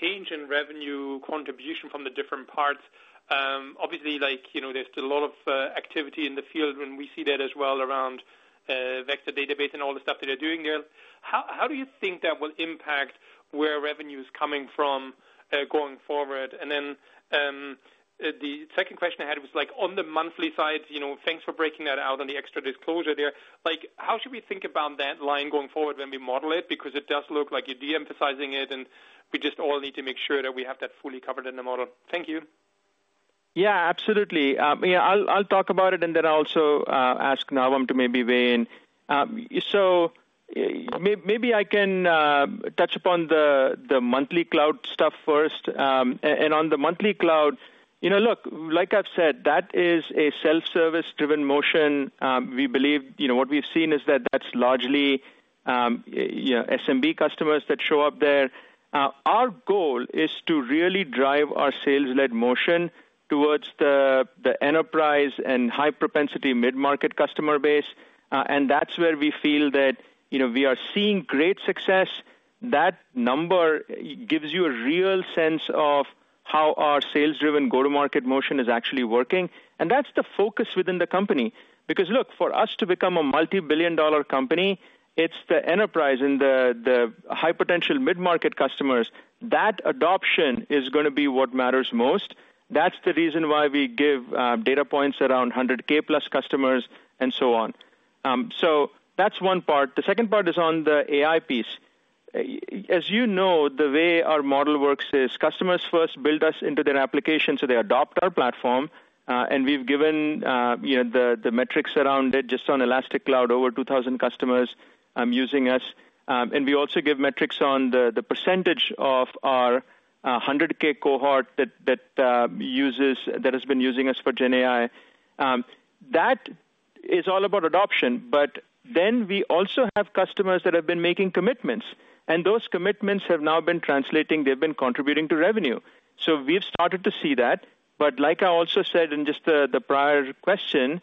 change in revenue contribution from the different parts? Obviously, there's a lot of activity in the field, and we see that as well around vector database and all the stuff that they're doing there. How do you think that will impact where revenue is coming from going forward? The second question I had was on the monthly side, thanks for breaking that out on the extra disclosure there. How should we think about that line going forward when we model it? Because it does look like you're de-emphasizing it, and we just all need to make sure that we have that fully covered in the model. Thank you. Yeah, absolutely. I'll talk about it, and then I'll also ask Navam to maybe weigh in. Maybe I can touch upon the monthly cloud stuff first. On the monthly cloud, look, like I've said, that is a self-service-driven motion. We believe what we've seen is that that's largely SMB customers that show up there. Our goal is to really drive our sales-led motion towards the enterprise and high-propensity mid-market customer base. That's where we feel that we are seeing great success. That number gives you a real sense of how our sales-driven go-to-market motion is actually working. That's the focus within the company. Because look, for us to become a multi-billion dollar company, it's the enterprise and the high-potential mid-market customers. That adoption is going to be what matters most. That's the reason why we give data points around $100,000 plus customers and so on. That's one part. The second part is on the AI piece. As you know, the way our model works is customers first build us into their application so they adopt our platform. We have given the metrics around it just on Elastic Cloud, over 2,000 customers using us. We also give metrics on the percentage of our 100,000 cohort that has been using us for GenAI. That is all about adoption. We also have customers that have been making commitments. Those commitments have now been translating. They have been contributing to revenue. We have started to see that. Like I also said in just the prior question,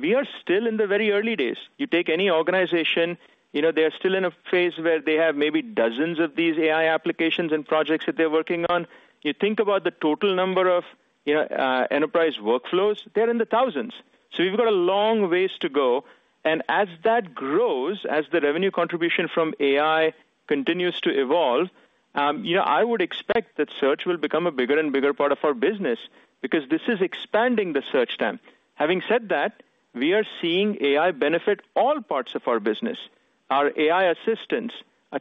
we are still in the very early days. You take any organization, they are still in a phase where they have maybe dozens of these AI applications and projects that they are working on. You think about the total number of enterprise workflows, they are in the thousands. We've got a long ways to go. As that grows, as the revenue contribution from AI continues to evolve, I would expect that search will become a bigger and bigger part of our business because this is expanding the search time. Having said that, we are seeing AI benefit all parts of our business. Our AI assistants,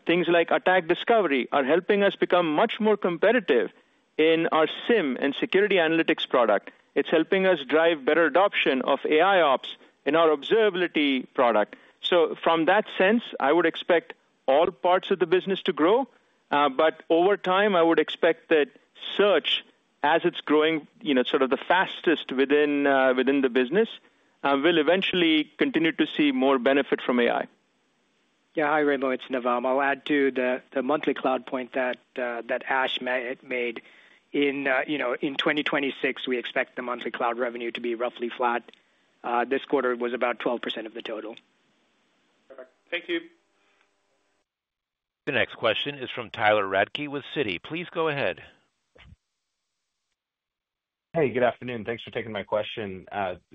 things like attack discovery, are helping us become much more competitive in our SIEM and security analytics product. It's helping us drive better adoption of AIOps in our observability product. From that sense, I would expect all parts of the business to grow. Over time, I would expect that search, as it's growing sort of the fastest within the business, will eventually continue to see more benefit from AI. Yeah, hi Raimo. It's Navam. I'll add to the monthly cloud point that Ash made in 2026. We expect the monthly cloud revenue to be roughly flat. This quarter was about 12% of the total. Perfect. Thank you. The next question is from Tyler Radke with CITI. Please go ahead. Hey, good afternoon. Thanks for taking my question.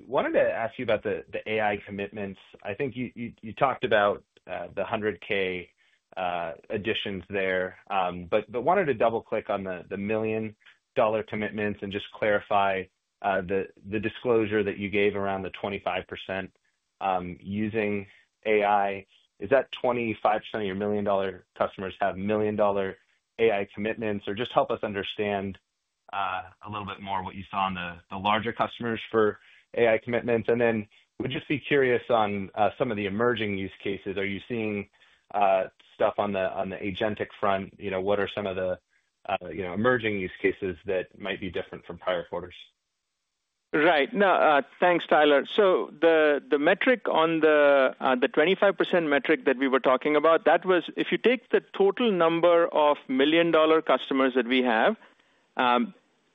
Wanted to ask you about the AI commitments. I think you talked about the $100,000 additions there, but wanted to double-click on the million-dollar commitments and just clarify the disclosure that you gave around the 25% using AI. Is that 25% of your million-dollar customers have million-dollar AI commitments? Or just help us understand a little bit more what you saw on the larger customers for AI commitments. We'd just be curious on some of the emerging use cases. Are you seeing stuff on the agentic front? What are some of the emerging use cases that might be different from prior quarters? Right. No, thanks, Tyler. The metric on the 25% metric that we were talking about, that was if you take the total number of million-dollar customers that we have,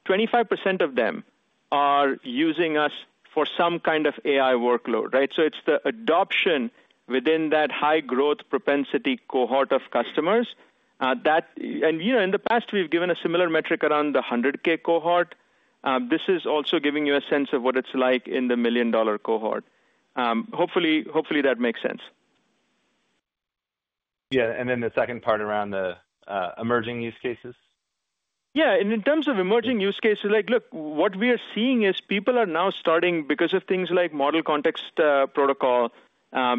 25% of them are using us for some kind of AI workload, right? It is the adoption within that high-growth propensity cohort of customers. In the past, we have given a similar metric around the $100,000 cohort. This is also giving you a sense of what it is like in the million-dollar cohort. Hopefully, that makes sense. Yeah. The second part around the emerging use cases? Yeah. In terms of emerging use cases, look, what we are seeing is people are now starting, because of things like Model Context Protocol,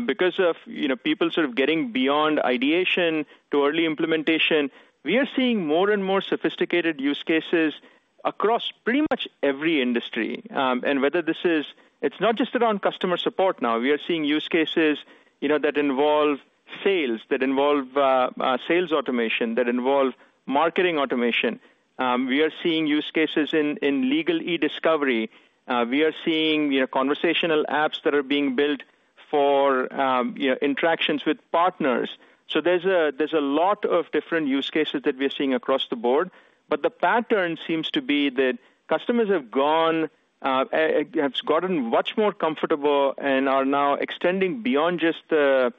because of people sort of getting beyond ideation to early implementation, we are seeing more and more sophisticated use cases across pretty much every industry. Whether this is, it's not just around customer support now. We are seeing use cases that involve sales, that involve sales automation, that involve marketing automation. We are seeing use cases in legal e-discovery. We are seeing conversational apps that are being built for interactions with partners. There is a lot of different use cases that we are seeing across the board. The pattern seems to be that customers have gotten much more comfortable and are now extending beyond just the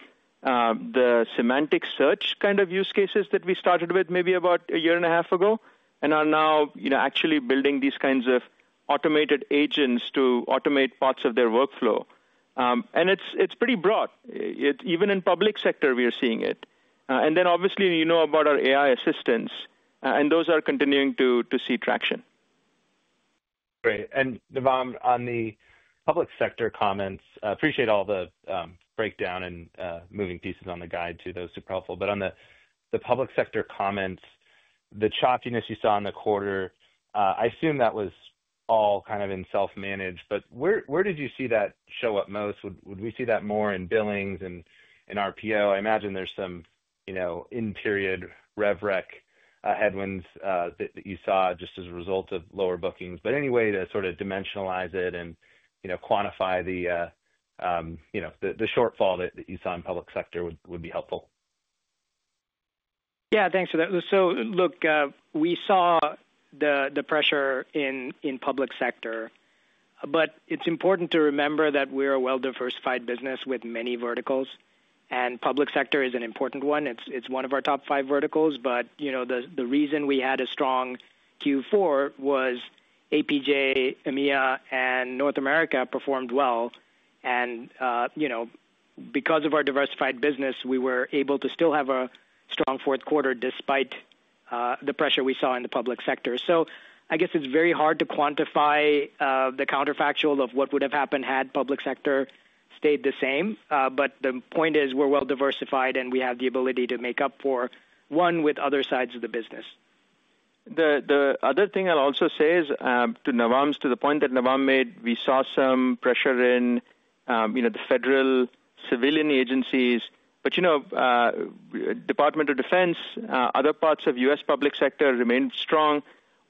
semantic search kind of use cases that we started with maybe about a year and a half ago and are now actually building these kinds of automated agents to automate parts of their workflow. It is pretty broad. Even in public sector, we are seeing it. Obviously, you know about our AI assistants, and those are continuing to see traction. Great. Navam, on the public sector comments, appreciate all the breakdown and moving pieces on the guide too, that was super helpful. On the public sector comments, the choppiness you saw in the quarter, I assume that was all kind of in self-managed. Where did you see that show up most? Would we see that more in billings and in RPO? I imagine there's some end-period RevRec headwinds that you saw just as a result of lower bookings. Anyway, to sort of dimensionalize it and quantify the shortfall that you saw in public sector would be helpful. Yeah, thanks for that. Look, we saw the pressure in public sector. It's important to remember that we're a well-diversified business with many verticals. Public sector is an important one. It's one of our top five verticals. The reason we had a strong Q4 was APJ, EMEA, and North America performed well. Because of our diversified business, we were able to still have a strong fourth quarter despite the pressure we saw in the public sector. I guess it's very hard to quantify the counterfactual of what would have happened had public sector stayed the same. The point is we're well-diversified and we have the ability to make up for one with other sides of the business. The other thing I'll also say is to Navam, to the point that Navam made, we saw some pressure in the federal civilian agencies. Department of Defense, other parts of U.S. public sector remained strong.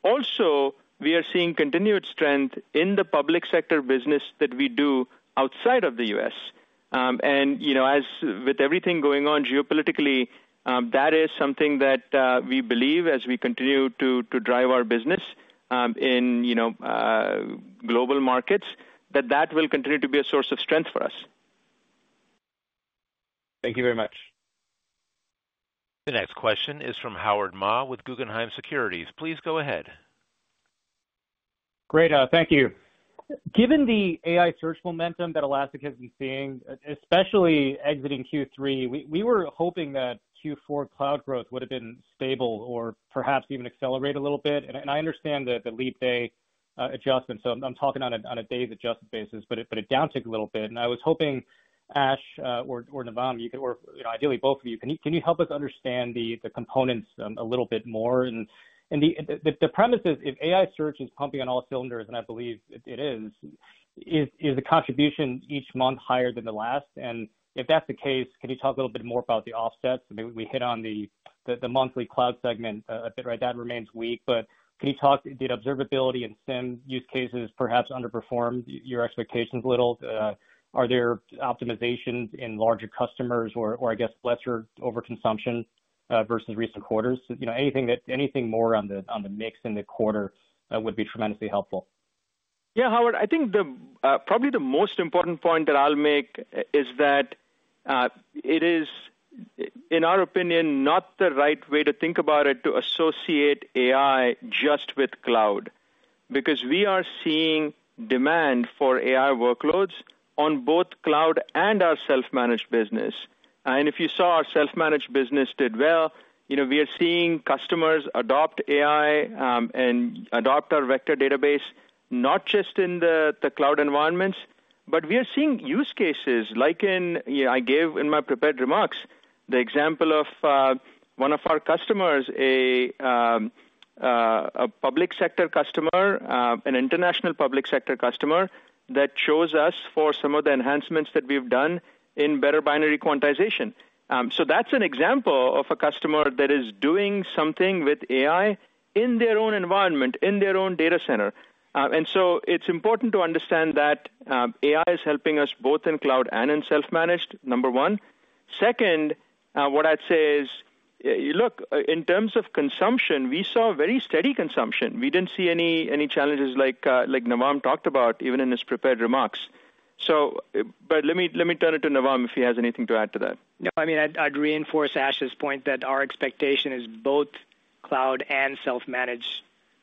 Also, we are seeing continued strength in the public sector business that we do outside of the U.S. With everything going on geopolitically, that is something that we believe as we continue to drive our business in global markets, that that will continue to be a source of strength for us. Thank you very much. The next question is from Howard Ma with Guggenheim Securities. Please go ahead. Great. Thank you. Given the AI search momentum that Elastic has been seeing, especially exiting Q3, we were hoping that Q4 cloud growth would have been stable or perhaps even accelerate a little bit. I understand the leap day adjustment. I am talking on a day's adjustment basis, but it downticked a little bit. I was hoping, Ash or Navam, ideally both of you, can you help us understand the components a little bit more? The premise is if AI search is pumping on all cylinders, and I believe it is, is the contribution each month higher than the last? If that's the case, can you talk a little bit more about the offsets? We hit on the monthly cloud segment a bit, right? That remains weak. Can you talk? Did observability and SIEM use cases perhaps underperform your expectations a little? Are there optimizations in larger customers or, I guess, lesser overconsumption versus recent quarters? Anything more on the mix in the quarter would be tremendously helpful. Yeah, Howard, I think probably the most important point that I'll make is that it is, in our opinion, not the right way to think about it to associate AI just with cloud. We are seeing demand for AI workloads on both cloud and our self-managed business. If you saw our self-managed business did well, we are seeing customers adopt AI and adopt our vector database, not just in the cloud environments. We are seeing use cases like in I gave in my prepared remarks the example of one of our customers, a public sector customer, an international public sector customer that chose us for some of the enhancements that we've done in better binary quantization. That's an example of a customer that is doing something with AI in their own environment, in their own data center. It's important to understand that AI is helping us both in cloud and in self-managed, number one. Second, what I'd say is, look, in terms of consumption, we saw very steady consumption. We didn't see any challenges like Navam talked about, even in his prepared remarks. Let me turn it to Navam if he has anything to add to that. No, I mean, I'd reinforce Ash's point that our expectation is both cloud and self-managed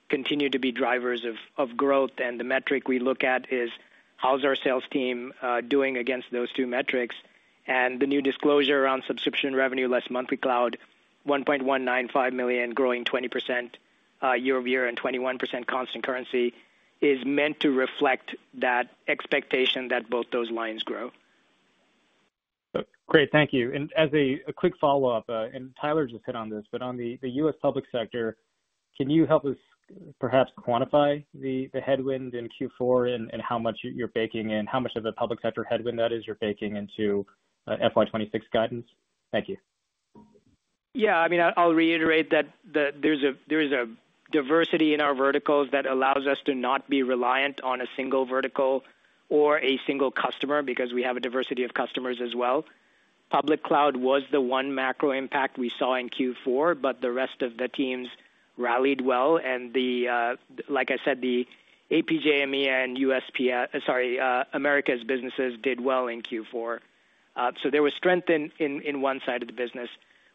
continue to be drivers of growth. The metric we look at is how's our sales team doing against those two metrics. The new disclosure around subscription revenue less monthly cloud, $1.195 million growing 20% year over year and 21% constant currency, is meant to reflect that expectation that both those lines grow. Great. Thank you. As a quick follow-up, and Tyler just hit on this, but on the U.S. public sector, can you help us perhaps quantify the headwind in Q4 and how much you're baking in, how much of a public sector headwind that is you're baking into FY 2026 guidance? Thank you. Yeah, I mean, I'll reiterate that there's a diversity in our verticals that allows us to not be reliant on a single vertical or a single customer because we have a diversity of customers as well. Public cloud was the one macro impact we saw in Q4, but the rest of the teams rallied well. Like I said, the APJ, EMEA, and U.S. public sector, sorry, Americas businesses did well in Q4. There was strength in one side of the business.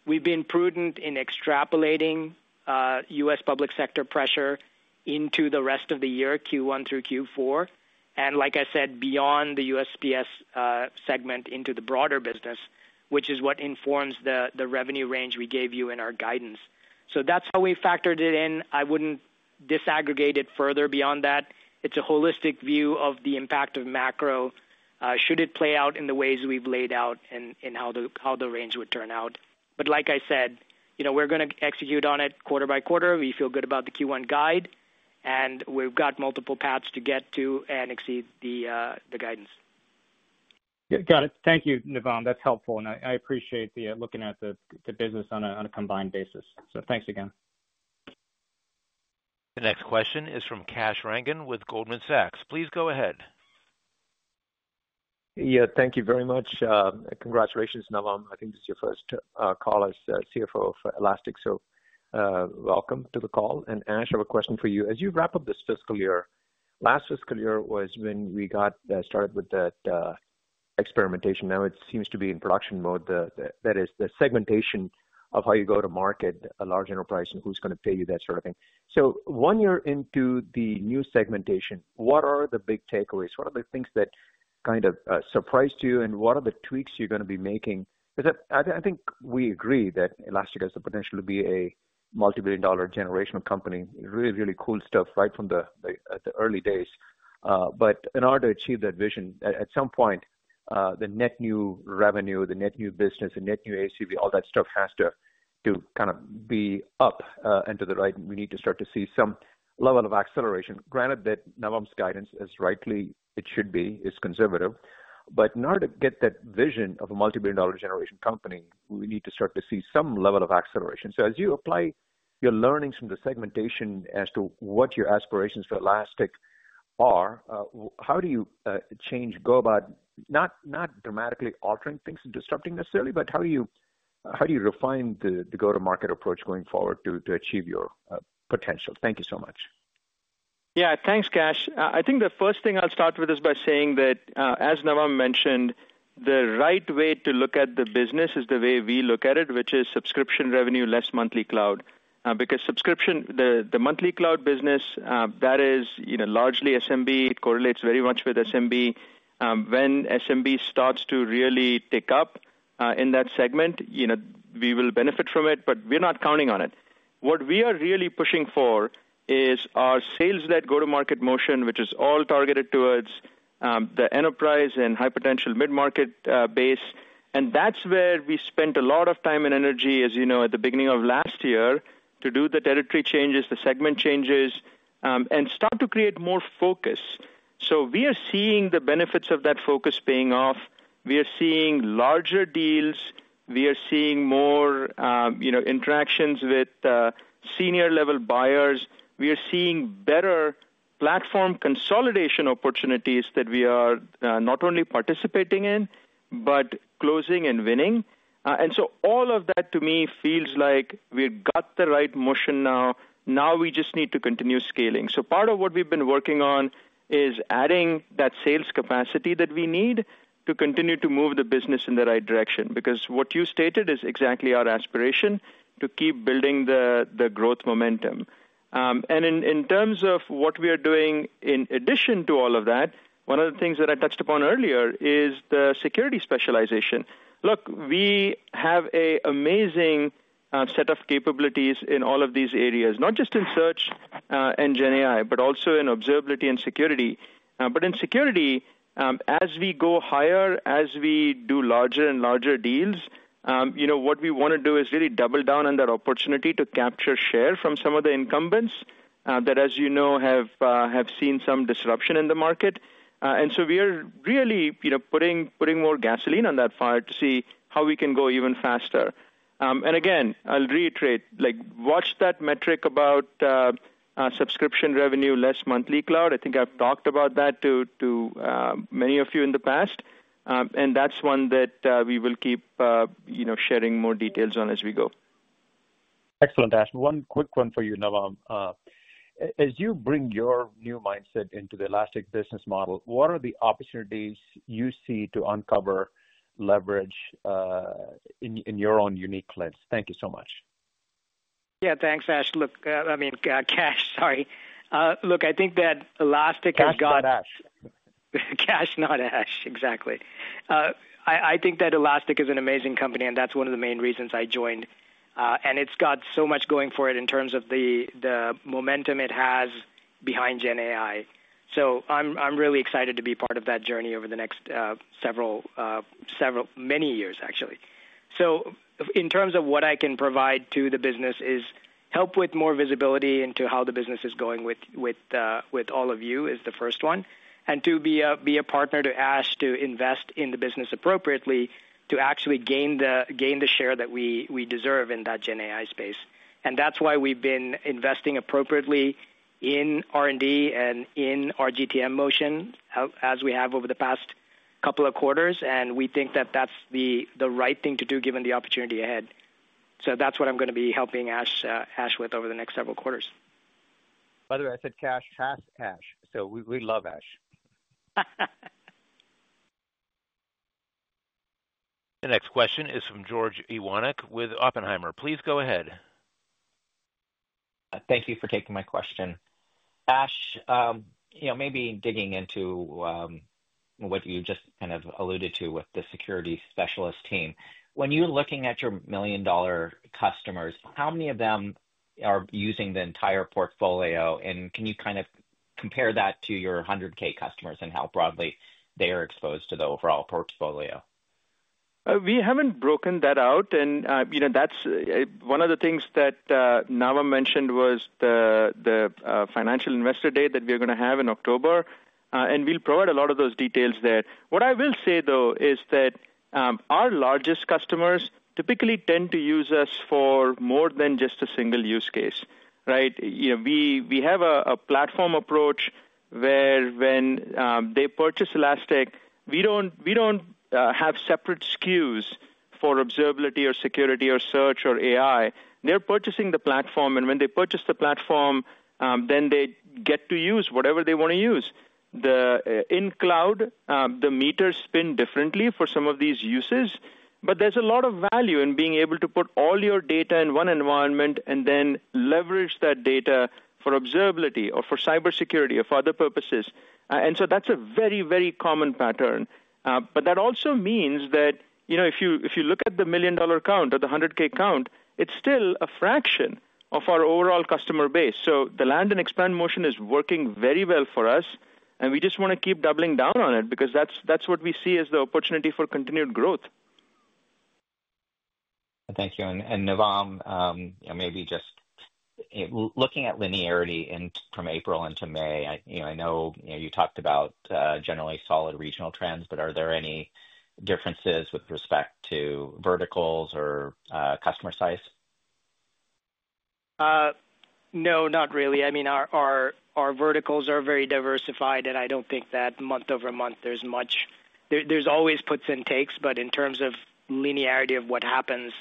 We've been prudent in extrapolating U.S. public sector pressure into the rest of the year, Q1 through Q4. Like I said, beyond the U.S. public sector segment into the broader business, which is what informs the revenue range we gave you in our guidance. That's how we factored it in. I wouldn't disaggregate it further beyond that. It's a holistic view of the impact of macro should it play out in the ways we've laid out and how the range would turn out. Like I said, we're going to execute on it quarter by quarter. We feel good about the Q1 guide. We've got multiple paths to get to and exceed the guidance. Got it. Thank you, Navam. That's helpful. I appreciate looking at the business on a combined basis. Thanks again. The next question is from Kash Rangan with Goldman Sachs. Please go ahead. Yeah, thank you very much. Congratulations, Navam. I think this is your first call as CFO for Elastic. Welcome to the call. Ash, I have a question for you. As you wrap up this fiscal year, last fiscal year was when we got started with that experimentation. Now it seems to be in production mode. That is the segmentation of how you go to market a large enterprise and who's going to pay you, that sort of thing. One year into the new segmentation, what are the big takeaways? What are the things that kind of surprised you? What are the tweaks you're going to be making? I think we agree that Elastic has the potential to be a multi-billion dollar generational company. Really, really cool stuff right from the early days. In order to achieve that vision, at some point, the net new revenue, the net new business, the net new ACV, all that stuff has to kind of be up and to the right. We need to start to see some level of acceleration. Granted that Navam's guidance is, rightly, it should be, is conservative. In order to get that vision of a multi-billion dollar generation company, we need to start to see some level of acceleration. As you apply your learnings from the segmentation as to what your aspirations for Elastic are, how do you change, go about not dramatically altering things and disrupting necessarily, but how do you refine the go-to-market approach going forward to achieve your potential? Thank you so much. Yeah, thanks, Kash. I think the first thing I'll start with is by saying that, as Navam mentioned, the right way to look at the business is the way we look at it, which is subscription revenue less monthly cloud. Because subscription, the monthly cloud business, that is largely SMB. It correlates very much with SMB. When SMB starts to really take up in that segment, we will benefit from it, but we're not counting on it. What we are really pushing for is our sales-led go-to-market motion, which is all targeted towards the enterprise and high-potential mid-market base. That is where we spent a lot of time and energy, as you know, at the beginning of last year to do the territory changes, the segment changes, and start to create more focus. We are seeing the benefits of that focus paying off. We are seeing larger deals. We are seeing more interactions with senior-level buyers. We are seeing better platform consolidation opportunities that we are not only participating in, but closing and winning. All of that, to me, feels like we have got the right motion now. We just need to continue scaling. Part of what we have been working on is adding that sales capacity that we need to continue to move the business in the right direction. Because what you stated is exactly our aspiration to keep building the growth momentum. In terms of what we are doing in addition to all of that, one of the things that I touched upon earlier is the security specialization. Look, we have an amazing set of capabilities in all of these areas, not just in search and GenAI, but also in observability and security. In security, as we go higher, as we do larger and larger deals, what we want to do is really double down on that opportunity to capture share from some of the incumbents that, as you know, have seen some disruption in the market. We are really putting more gasoline on that fire to see how we can go even faster. Again, I'll reiterate, watch that metric about subscription revenue less monthly cloud. I think I've talked about that to many of you in the past. That's one that we will keep sharing more details on as we go. Excellent, Ash. One quick one for you, Navam. As you bring your new mindset into the Elastic business model, what are the opportunities you see to uncover leverage in your own unique lens? Thank you so much. Yeah, thanks, Ash. Look, I mean, Kash, sorry. Look, I think that Elastic has got-- Kash, not Ash. Exactly. I think that Elastic is an amazing company, and that's one of the main reasons I joined. It's got so much going for it in terms of the momentum it has behind GenAI. I'm really excited to be part of that journey over the next several many years, actually. In terms of what I can provide to the business is help with more visibility into how the business is going with all of you is the first one. To be a partner to Ash to invest in the business appropriately to actually gain the share that we deserve in that GenAI space. That is why we have been investing appropriately in R&D and in our GTM motion as we have over the past couple of quarters. We think that is the right thing to do given the opportunity ahead. That is what I am going to be helping Ash with over the next several quarters. By the way, I said Cash, Cash, Cash. We love Ash. The next question is from George Iwanyc with Oppenheimer. Please go ahead. Thank you for taking my question. Ash, maybe digging into what you just kind of alluded to with the security specialist team. When you're looking at your million-dollar customers, how many of them are using the entire portfolio? Can you kind of compare that to your 100K customers and how broadly they are exposed to the overall portfolio? We haven't broken that out. That is one of the things that Navam mentioned was the financial investor day that we're going to have in October. We'll provide a lot of those details there. What I will say, though, is that our largest customers typically tend to use us for more than just a single use case, right? We have a platform approach where when they purchase Elastic, we don't have separate SKUs for observability or security or search or AI. They're purchasing the platform. When they purchase the platform, they get to use whatever they want to use. In cloud, the meters spin differently for some of these uses. There is a lot of value in being able to put all your data in one environment and then leverage that data for observability or for cybersecurity or for other purposes. That is a very, very common pattern. That also means that if you look at the million-dollar count or the $100,000 count, it is still a fraction of our overall customer base. The land and expand motion is working very well for us. We just want to keep doubling down on it because that is what we see as the opportunity for continued growth. Thank you. Navam, maybe just looking at linearity from April into May, I know you talked about generally solid regional trends, but are there any differences with respect to verticals or customer size? No, not really. I mean, our verticals are very diversified, and I do not think that month over month, there is much. There are always puts and takes, but in terms of linearity of what happens,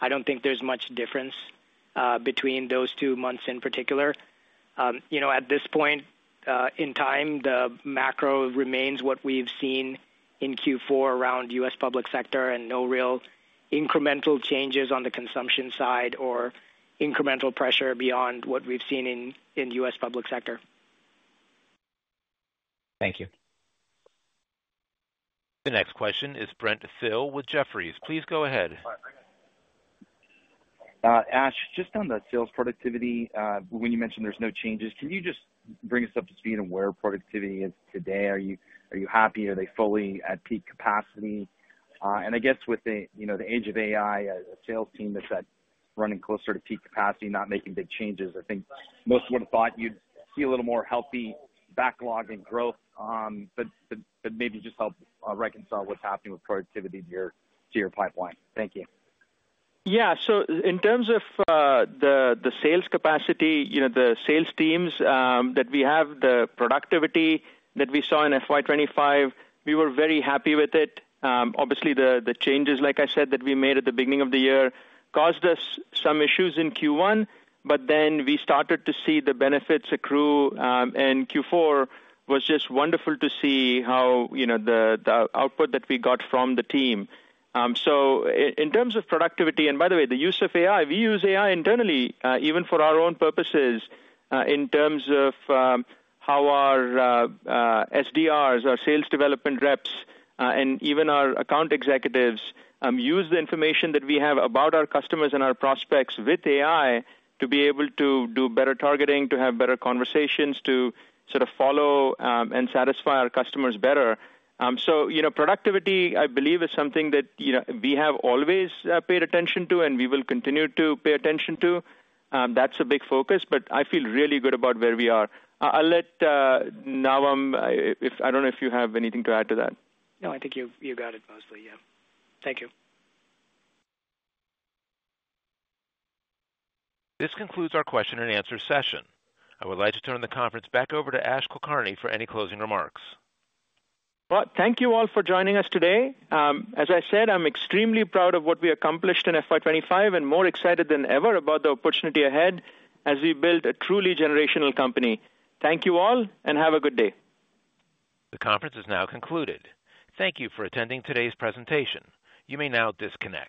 I do not think there is much difference between those two months in particular. At this point in time, the macro remains what we have seen in Q4 around U.S. public sector and no real incremental changes on the consumption side or incremental pressure beyond what we have seen in U.S. public sector. Thank you. The next question is Brent Thill with Jefferies. Please go ahead. Ash, just on the sales productivity, when you mentioned there's no changes, can you just bring us up to speed on where productivity is today? Are you happy? Are they fully at peak capacity? I guess with the age of AI, a sales team that's running closer to peak capacity, not making big changes, I think most would have thought you'd see a little more healthy backlog and growth, but maybe just help reconcile what's happening with productivity to your pipeline. Thank you. Yeah. In terms of the sales capacity, the sales teams that we have, the productivity that we saw in FY2025, we were very happy with it. Obviously, the changes, like I said, that we made at the beginning of the year caused us some issues in Q1, but then we started to see the benefits accrue in Q4. It was just wonderful to see how the output that we got from the team. In terms of productivity, and by the way, the use of AI, we use AI internally, even for our own purposes, in terms of how our SDRs, our sales development reps, and even our account executives use the information that we have about our customers and our prospects with AI to be able to do better targeting, to have better conversations, to sort of follow and satisfy our customers better. Productivity, I believe, is something that we have always paid attention to and we will continue to pay attention to. That's a big focus, but I feel really good about where we are. I'll let Navam, I don't know if you have anything to add to that. No, I think you got it mostly. Yeah. Thank you. This concludes our question and answer session. I would like to turn the conference back over to Ash Kulkarni for any closing remarks. Thank you all for joining us today. As I said, I'm extremely proud of what we accomplished in FY 2025 and more excited than ever about the opportunity ahead as we build a truly generational company. Thank you all and have a good day. The conference is now concluded. Thank you for attending today's presentation. You may now disconnect.